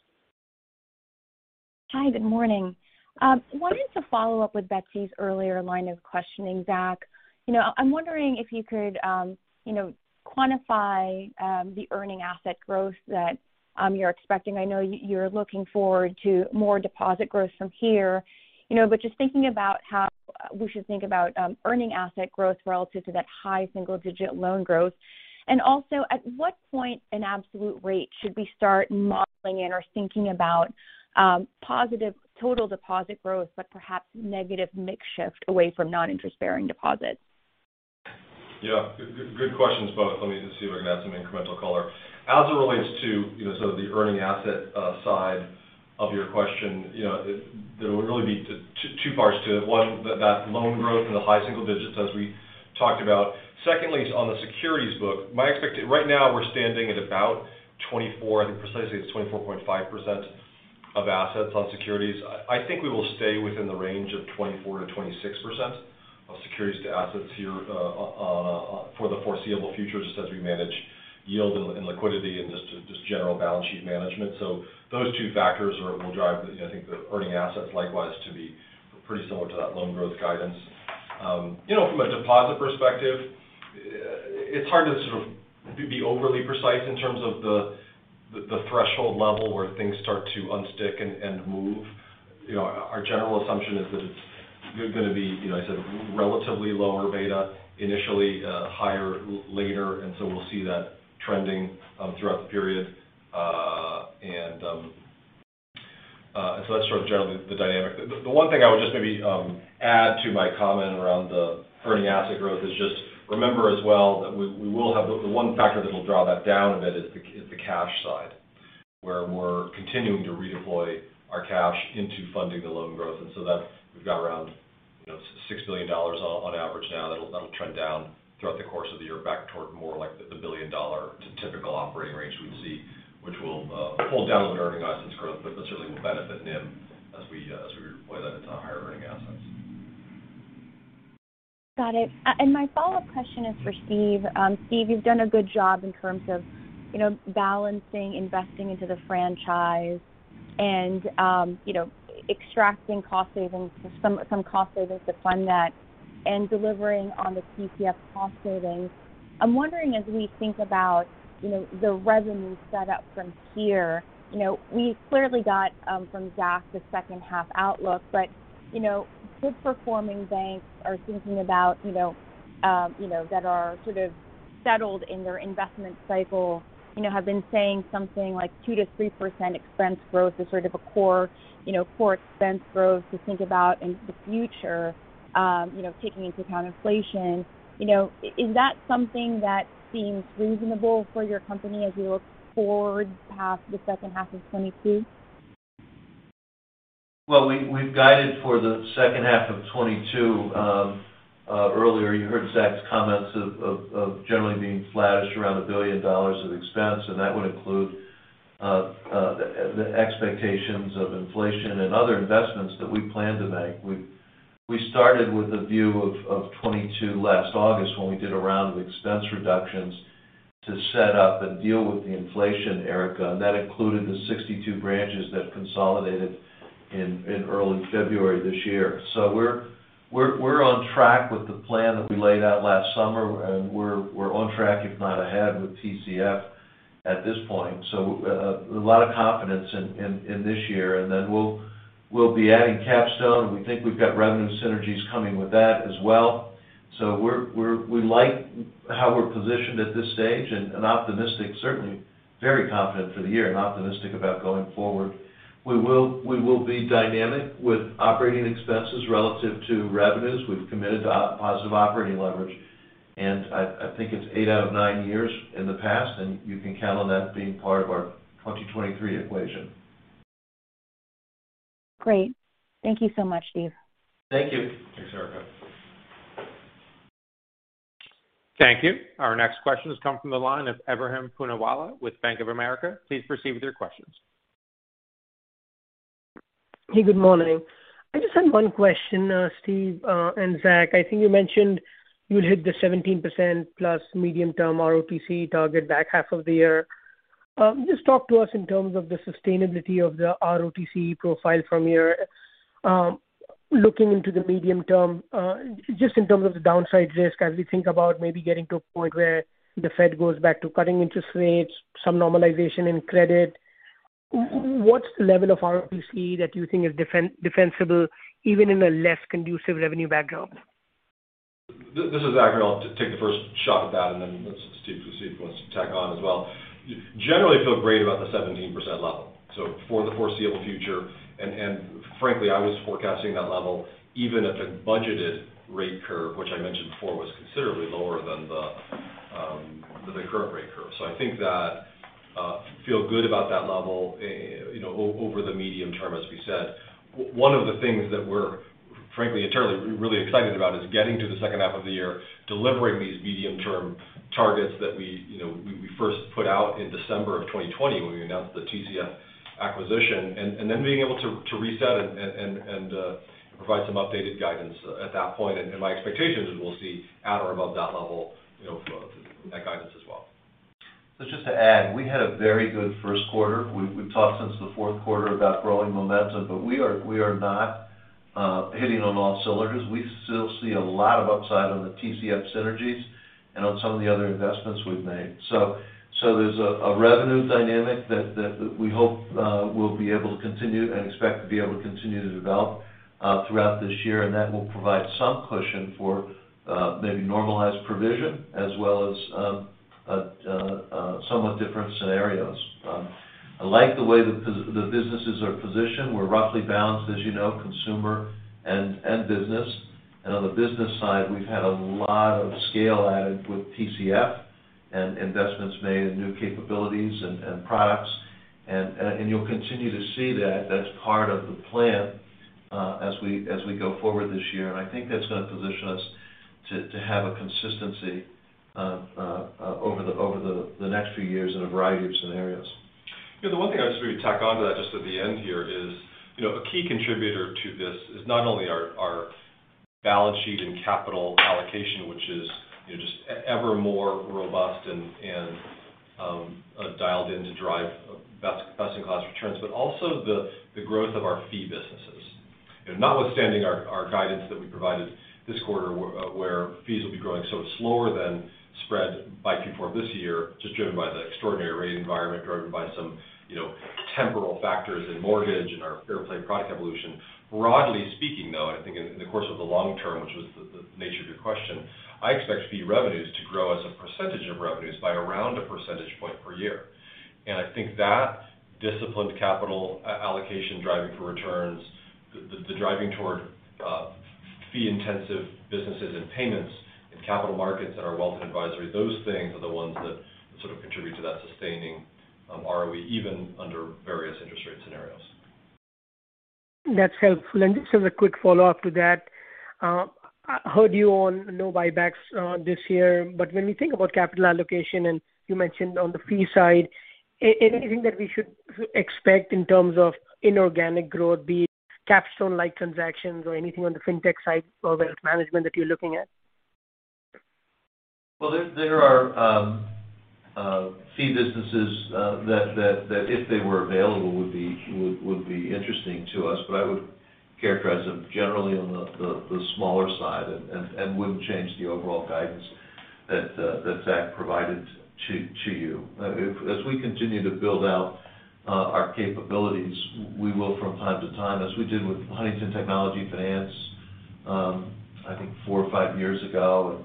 Hi, good morning. Wanted to follow up with Betsy's earlier line of questioning, Zach. You know, I'm wondering if you could, you know, quantify the earning asset growth that you're expecting. I know you're looking forward to more deposit growth from here, you know, but just thinking about how we should think about earning asset growth relative to that high single-digit loan growth. At what point in absolute rate should we start modeling in or thinking about positive total deposit growth, but perhaps negative mix shift away from non-interest-bearing deposits? Yeah. Good questions both. Let me just see if I can add some incremental color. As it relates to, you know, sort of the earning asset side of your question, you know, there would really be two parts to it. One, that loan growth in the high single digits as we talked about. Secondly is on the securities book. Right now we're standing at about 24, I think precisely it's 24.5% of assets on securities. I think we will stay within the range of 24%-26% of securities to assets here, for the foreseeable future, just as we manage yield and liquidity and just general balance sheet management. So those two factors will drive the, I think, the earning assets likewise to be pretty similar to that loan growth guidance. You know, from a deposit perspective, it's hard to sort of be overly precise in terms of the threshold level where things start to unstick and move. You know, our general assumption is that it's gonna be, you know, as I said, relatively lower beta, initially, higher later. We'll see that trending throughout the period. That's sort of generally the dynamic. The one thing I would just maybe add to my comment around the earning asset growth is just remember as well that we will have the one factor that will draw that down a bit is the cash side, where we're continuing to redeploy our cash into funding the loan growth. That we've got around, you know, $6 billion on average now that'll trend down throughout the course of the year back toward more like the $1 billion typical operating range we'd see, which will pull down on the earning assets growth, but certainly will benefit NIM as we deploy that into higher earning assets. Got it. My follow-up question is for Steve. Steve, you've done a good job in terms of, you know, balancing investing into the franchise and, you know, extracting cost savings, some cost savings to fund that and delivering on the TCF cost savings. I'm wondering as we think about, you know, the revenue set up from here, you know, we clearly got, from Zach the second half outlook. You know, good performing banks are thinking about, you know, that are sort of settled in their investment cycle, you know, have been saying something like 2%-3% expense growth is sort of a core, you know, core expense growth to think about in the future, you know, taking into account inflation. You know, is that something that seems reasonable for your company as you look forward past the second half of 2022? Well, we've guided for the second half of 2022. Earlier you heard Zach's comments of generally being flattish around $1 billion of expense, and that would include the expectations of inflation and other investments that we plan to make. We started with a view of 2022 last August when we did a round of expense reductions to set up and deal with the inflation, Erika, and that included the 62 branches that consolidated in early February this year. We're on track with the plan that we laid out last summer, and we're on track, if not ahead, with TCF at this point. A lot of confidence in this year. We'll be adding Capstone. We think we've got revenue synergies coming with that as well. We're like how we're positioned at this stage and optimistic, certainly very confident for the year and optimistic about going forward. We will be dynamic with operating expenses relative to revenues. We've committed to positive operating leverage, and I think it's eight out of nine years in the past, and you can count on that being part of our 2023 equation. Great. Thank you so much, Steve. Thank you. Thanks, Erika. Thank you. Our next question has come from the line of Ebrahim Poonawala with Bank of America. Please proceed with your questions. Hey, good morning. I just had one question, Steve, and Zach. I think you mentioned you'll hit the 17%+ medium-term ROTCE target back half of the year. Just talk to us in terms of the sustainability of the ROTCE profile from your looking into the medium term, just in terms of the downside risk as we think about maybe getting to a point where the Fed goes back to cutting interest rates, some normalization in credit. What's the level of ROTCE that you think is defensible even in a less conducive revenue backdrop? This is Zach, and I'll take the first shot at that and then let Steve, we'll see if he wants to tack on as well. Generally feel great about the 17% level, so for the foreseeable future. Frankly, I was forecasting that level even if the budgeted rate curve, which I mentioned before, was considerably lower than the current rate curve. I think that feel good about that level, you know, over the medium term, as we said. One of the things that we're frankly and truly really excited about is getting to the second half of the year, delivering these medium term targets that we first put out in December 2020 when we announced the TCF acquisition, and then being able to provide some updated guidance at that point. My expectation is we'll see at or above that level, you know, for that guidance as well. Just to add, we had a very good first quarter. We've talked since the fourth quarter about growing momentum, but we are not hitting on all cylinders. We still see a lot of upside on the TCF synergies and on some of the other investments we've made. There's a revenue dynamic that we hope we'll be able to continue and expect to be able to continue to develop throughout this year. That will provide some cushion for maybe normalized provision as well as somewhat different scenarios. I like the way the businesses are positioned. We're roughly balanced, as you know, consumer and business. On the business side, we've had a lot of scale added with TCF and investments made in new capabilities and products. You'll continue to see that. That's part of the plan, as we go forward this year. I think that's going to position us to have a consistency over the next few years in a variety of scenarios. You know, the one thing I just want to tack onto that just at the end here is, you know, a key contributor to this is not only our balance sheet and capital allocation, which is, you know, just ever more robust and dialed in to drive best-in-class returns, but also the growth of our Fee businesses. You know, notwithstanding our guidance that we provided this quarter where fees will be growing sort of slower than spread by Q4 of this year, just driven by the extraordinary rate environment, driven by some, you know, temporal factors in mortgage and our Fair Play product evolution. Broadly speaking, though, I think in the course of the long term, which was the nature of your question, I expect fee revenues to grow as a percentage of revenues by around a percentage point per year. I think that disciplined capital allocation driving for returns, driving toward fee-intensive businesses and payments in capital markets and our wealth and advisory, those things are the ones that sort of contribute to that sustaining ROE, even under various interest rate scenarios. That's helpful. Just as a quick follow-up to that, I heard you on no buybacks this year. When we think about capital allocation, and you mentioned on the fee side, anything that we should expect in terms of inorganic growth, be it Capstone-like transactions or anything on the fintech side or Wealth Management that you're looking at? Well, there are Fee businesses that if they were available, would be interesting to us. I would characterize them generally on the smaller side and wouldn't change the overall guidance that Zach provided to you. As we continue to build out our capabilities, we will from time to time, as we did with Huntington Technology Finance, I think four or five years ago.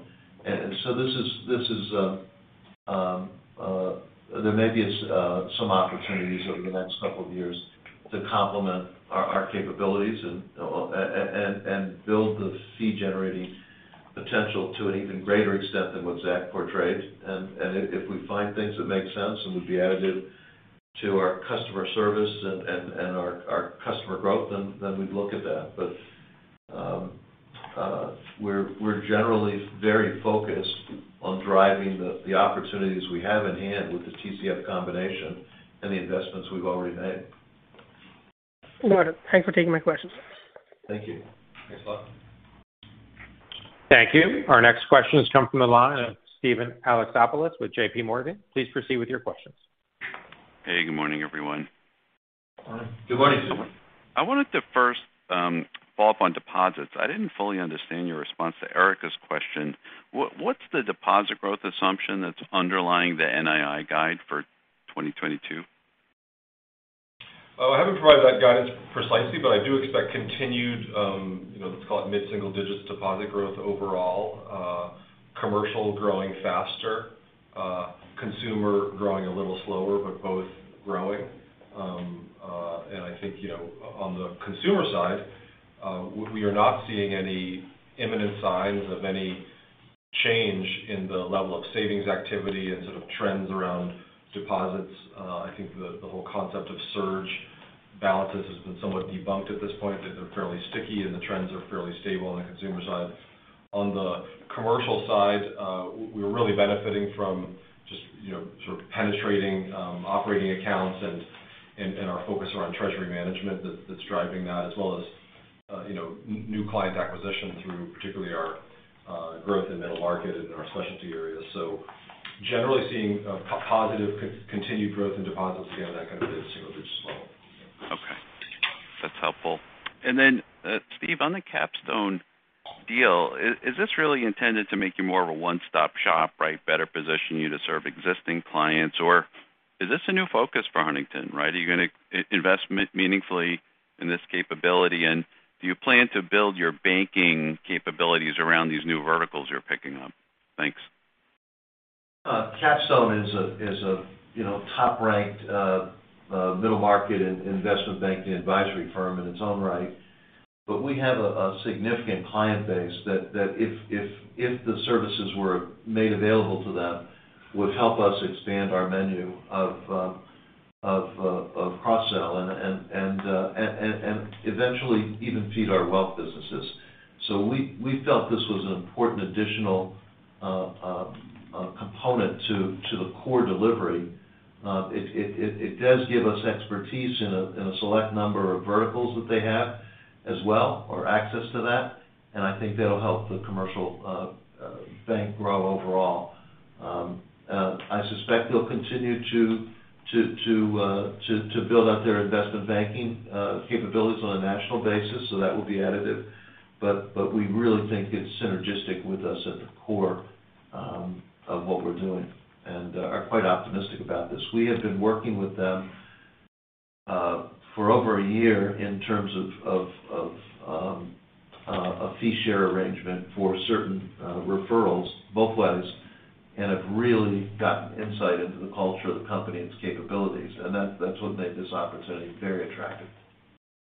There may be some opportunities over the next couple of years to complement our capabilities and build the fee-generating potential to an even greater extent than what Zach portrayed. If we find things that make sense and would be additive to our customer service and our customer growth, then we'd look at that. We're generally very focused on driving the opportunities we have in hand with the TCF combination and the investments we've already made. Got it. Thanks for taking my questions. Thank you. Thanks a lot. Thank you. Our next question has come from the line of Steven Alexopoulos with JP Morgan. Please proceed with your questions. Hey, good morning, everyone. Good morning. Good morning. I wanted to first follow up on deposits. I didn't fully understand your response to Erika's question. What's the deposit growth assumption that's underlying the NII guide for 2022? Well, I haven't provided that guidance precisely, but I do expect continued, you know, let's call it mid-single digits deposit growth overall. Commercial growing faster, consumer growing a little slower, but both growing. I think, you know, on the consumer side, we are not seeing any imminent signs of any change in the level of savings activity and sort of trends around deposits. I think the whole concept of surge balances has been somewhat debunked at this point, that they're fairly sticky and the trends are fairly stable on the consumer side. On the commercial side, we're really benefiting from just, you know, sort of penetrating operating accounts and our focus around treasury management that's driving that, as well as you know, new client acquisition through particularly our growth in middle market and our specialty areas. Generally seeing a positive continued growth in deposits. Again, that kind of mid-single digits level. Okay. That's helpful. Steve, on the Capstone deal, is this really intended to make you more of a one-stop shop, right? Better position you to serve existing clients, or is this a new focus for Huntington, right? Are you going to invest meaningfully in this capability, and do you plan to build your banking capabilities around these new verticals you're picking up? Thanks. Capstone is a, you know, top-ranked middle-market investment banking advisory firm in its own right. We have a significant client base that if the services were made available to them, would help us expand our menu of cross-sell and eventually even feed our Wealth businesses. We felt this was an important additional component to the core delivery. It does give us expertise in a select number of verticals that they have as well, or access to that, and I think that'll help the commercial bank grow overall. I suspect they'll continue to build out their investment banking capabilities on a national basis, so that will be additive. We really think it's synergistic with us at the core of what we're doing and are quite optimistic about this. We have been working with them for over a year in terms of a fee share arrangement for certain referrals both ways and have really gotten insight into the culture of the company and its capabilities. That's what made this opportunity very attractive.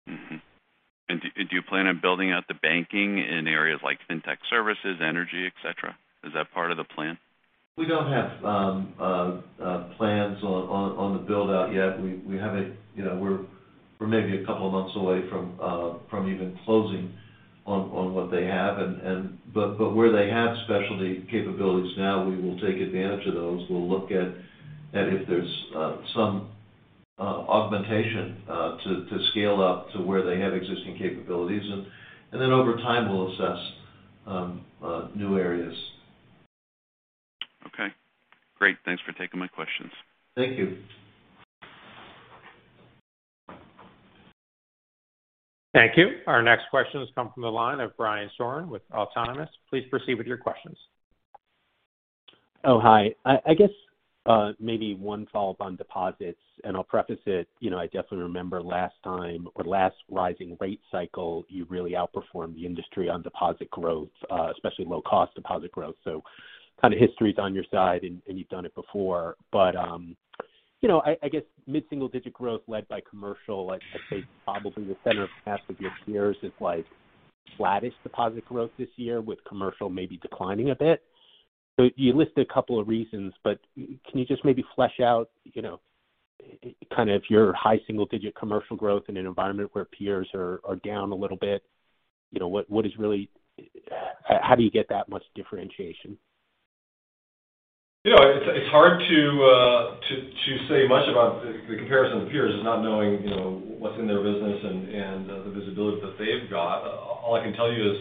Do you plan on building out the banking in areas like fintech services, energy, et cetera? Is that part of the plan? We don't have plans on the build-out yet. We have, you know, we're maybe a couple of months away from even closing on what they have where they have specialty capabilities now, we will take advantage of those. We'll look at if there's some augmentation to scale up to where they have existing capabilities. Over time, we'll assess new areas. Okay, great. Thanks for taking my questions. Thank you. Thank you. Our next question has come from the line of Brian Foran with Autonomous. Please proceed with your questions. Oh, hi. I guess maybe one follow-up on deposits, and I'll preface it, you know, I definitely remember last time or last rising rate cycle, you really outperformed the industry on deposit growth, especially low cost deposit growth. Kind of history's on your side and you've done it before. You know, I guess mid-single digit growth led by commercial, I'd say probably the center of half of your peers is like flattest deposit growth this year with commercial maybe declining a bit. You listed a couple of reasons, but can you just maybe flesh out, you know, kind of your high single digit commercial growth in an environment where peers are down a little bit. You know, what is really. How do you get that much differentiation? You know, it's hard to say much about the comparison with peers just not knowing, you know, what's in their business and the visibility that they've got. All I can tell you is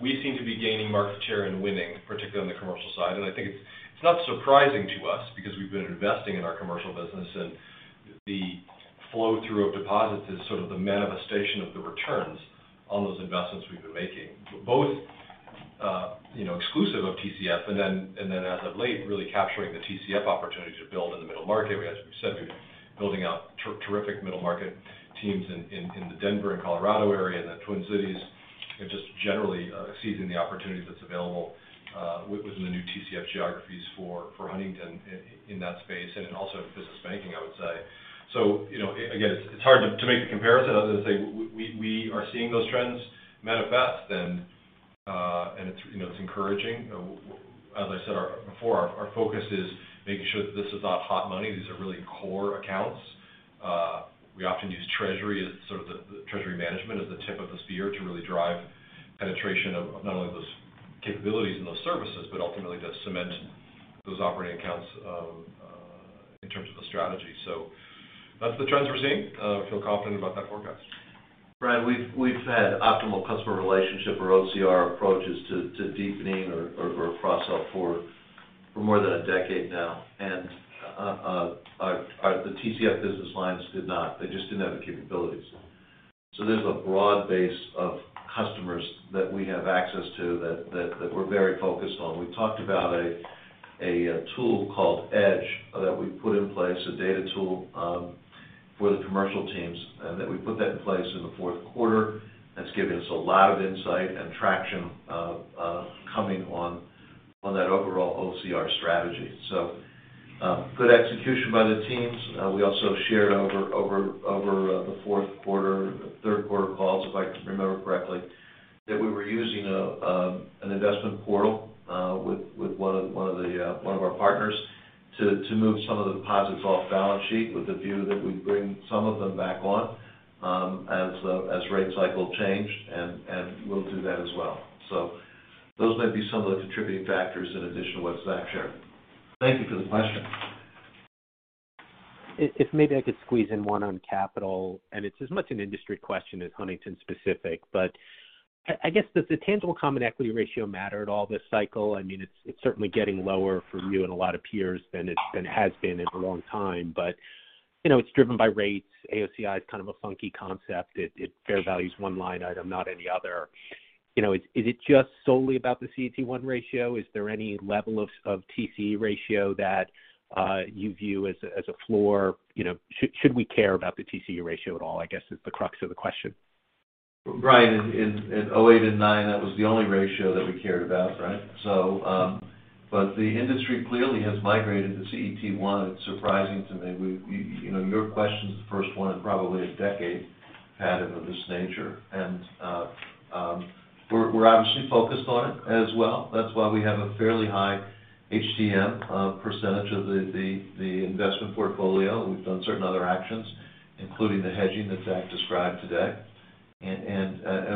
we seem to be gaining market share and winning, particularly on the commercial side. I think it's not surprising to us because we've been investing in our Commercial business and the flow through of deposits is sort of the manifestation of the returns on those investments we've been making, both, you know, exclusive of TCF, and then as of late, really capturing the TCF opportunity to build in the middle market. As we said, we've been building out terrific middle market teams in the Denver and Colorado area and the Twin Cities, and just generally seizing the opportunity that's available within the new TCF geographies for Huntington in that space and also in business banking, I would say. You know, again, it's hard to make the comparison other than say we are seeing those trends manifest and it's encouraging. As I said before, our focus is making sure that this is not hot money. These are really core accounts. We often use treasury as sort of the treasury management as the tip of the spear to really drive penetration of not only those capabilities and those services, but ultimately to cement those operating accounts in terms of the strategy. That's the trends we're seeing. We feel confident about that forecast. Brian, we've had optimal customer relationship or OCR approaches to deepening or cross-sell for more than a decade now. Our, the TCF business lines did not. They just didn't have the capabilities. There's a broad base of customers that we have access to that we're very focused on. We talked about a tool called Edge that we put in place, a data tool, for the commercial teams, and that we put that in place in the fourth quarter. That's given us a lot of insight and traction coming on that overall OCR strategy. Good execution by the teams. We also shared over the fourth quarter, third quarter calls, if I remember correctly, that we were using an investment portal with one of our partners to move some of the deposits off balance sheet with a view that we'd bring some of them back on as the rate cycle changed, and we'll do that as well. Those might be some of the contributing factors in addition to what Zach shared. Thank you for the question. If maybe I could squeeze in one on capital, and it's as much an industry question as Huntington specific, but I guess, does the tangible common equity ratio matter at all this cycle? I mean, it's certainly getting lower for you and a lot of peers than it has been in a long time. But you know, it's driven by rates. AOCI is kind of a funky concept. It fair values one line item, not any other. You know, is it just solely about the CET1 ratio? Is there any level of TCE ratio that you view as a floor? You know, should we care about the TCE ratio at all, I guess, is the crux of the question. Right. In 2008 and 2009, that was the only ratio that we cared about, right? The industry clearly has migrated to CET1. It's surprising to me. You know, your question's the first one in probably a decade I've had of this nature. We're obviously focused on it as well. That's why we have a fairly high HTM percentage of the investment portfolio. We've done certain other actions, including the hedging that Zach described today.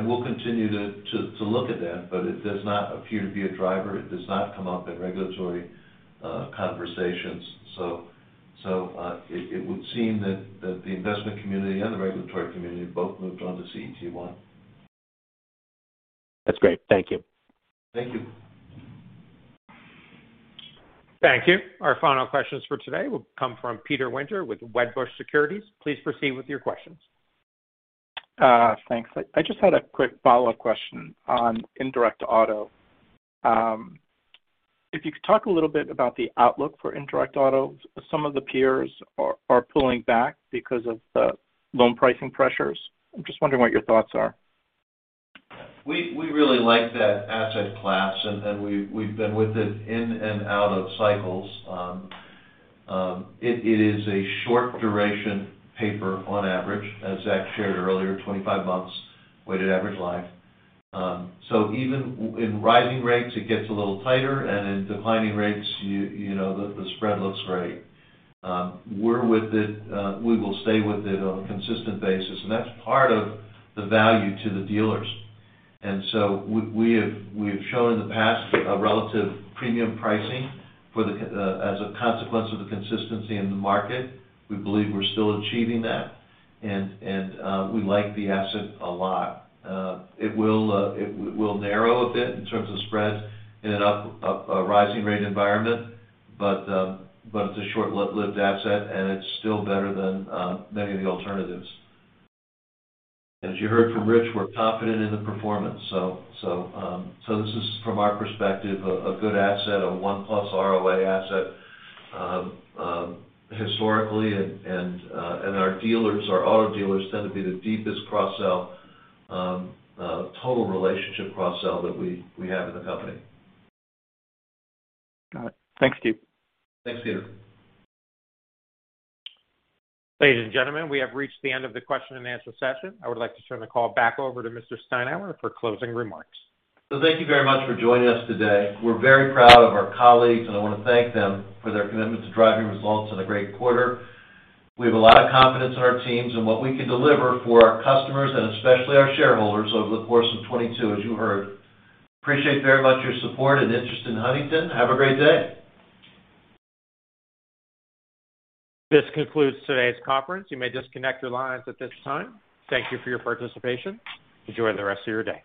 We'll continue to look at that, but it does not appear to be a driver. It does not come up in regulatory conversations. It would seem that the investment community and the regulatory community both moved on to CET1. That's great. Thank you. Thank you. Thank you. Our final questions for today will come from Peter Winter with Wedbush Securities. Please proceed with your questions. Thanks. I just had a quick follow-up question on indirect Auto. If you could talk a little bit about the outlook for indirect Auto. Some of the peers are pulling back because of the loan pricing pressures. I'm just wondering what your thoughts are. We really like that asset class, and then we've been with it in and out of cycles. It is a short duration paper on average, as Zach shared earlier, 25 months weighted average life. So even in rising rates, it gets a little tighter, and in declining rates, you know, the spread looks great. We're with it. We will stay with it on a consistent basis, and that's part of the value to the dealers. We have shown in the past a relative premium pricing as a consequence of the consistency in the market. We believe we're still achieving that. We like the asset a lot. It will narrow a bit in terms of spreads in a rising rate environment, but it's a short-lived asset, and it's still better than many of the alternatives. As you heard from Rich, we're confident in the performance. This is from our perspective a good asset, a 1+ ROA asset, historically. Our dealers, our Auto dealers tend to be the deepest cross-sell, total relationship cross-sell that we have in the company. Got it. Thanks, Steve. Thanks, Peter. Ladies and gentlemen, we have reached the end of the question and answer session. I would like to turn the call back over to Mr. Steinour for closing remarks. Thank you very much for joining us today. We're very proud of our colleagues, and I wanna thank them for their commitment to driving results in a great quarter. We have a lot of confidence in our teams and what we can deliver for our customers and especially our shareholders over the course of 2022, as you heard. Appreciate very much your support and interest in Huntington. Have a great day. This concludes today's conference. You may disconnect your lines at this time. Thank you for your participation. Enjoy the rest of your day.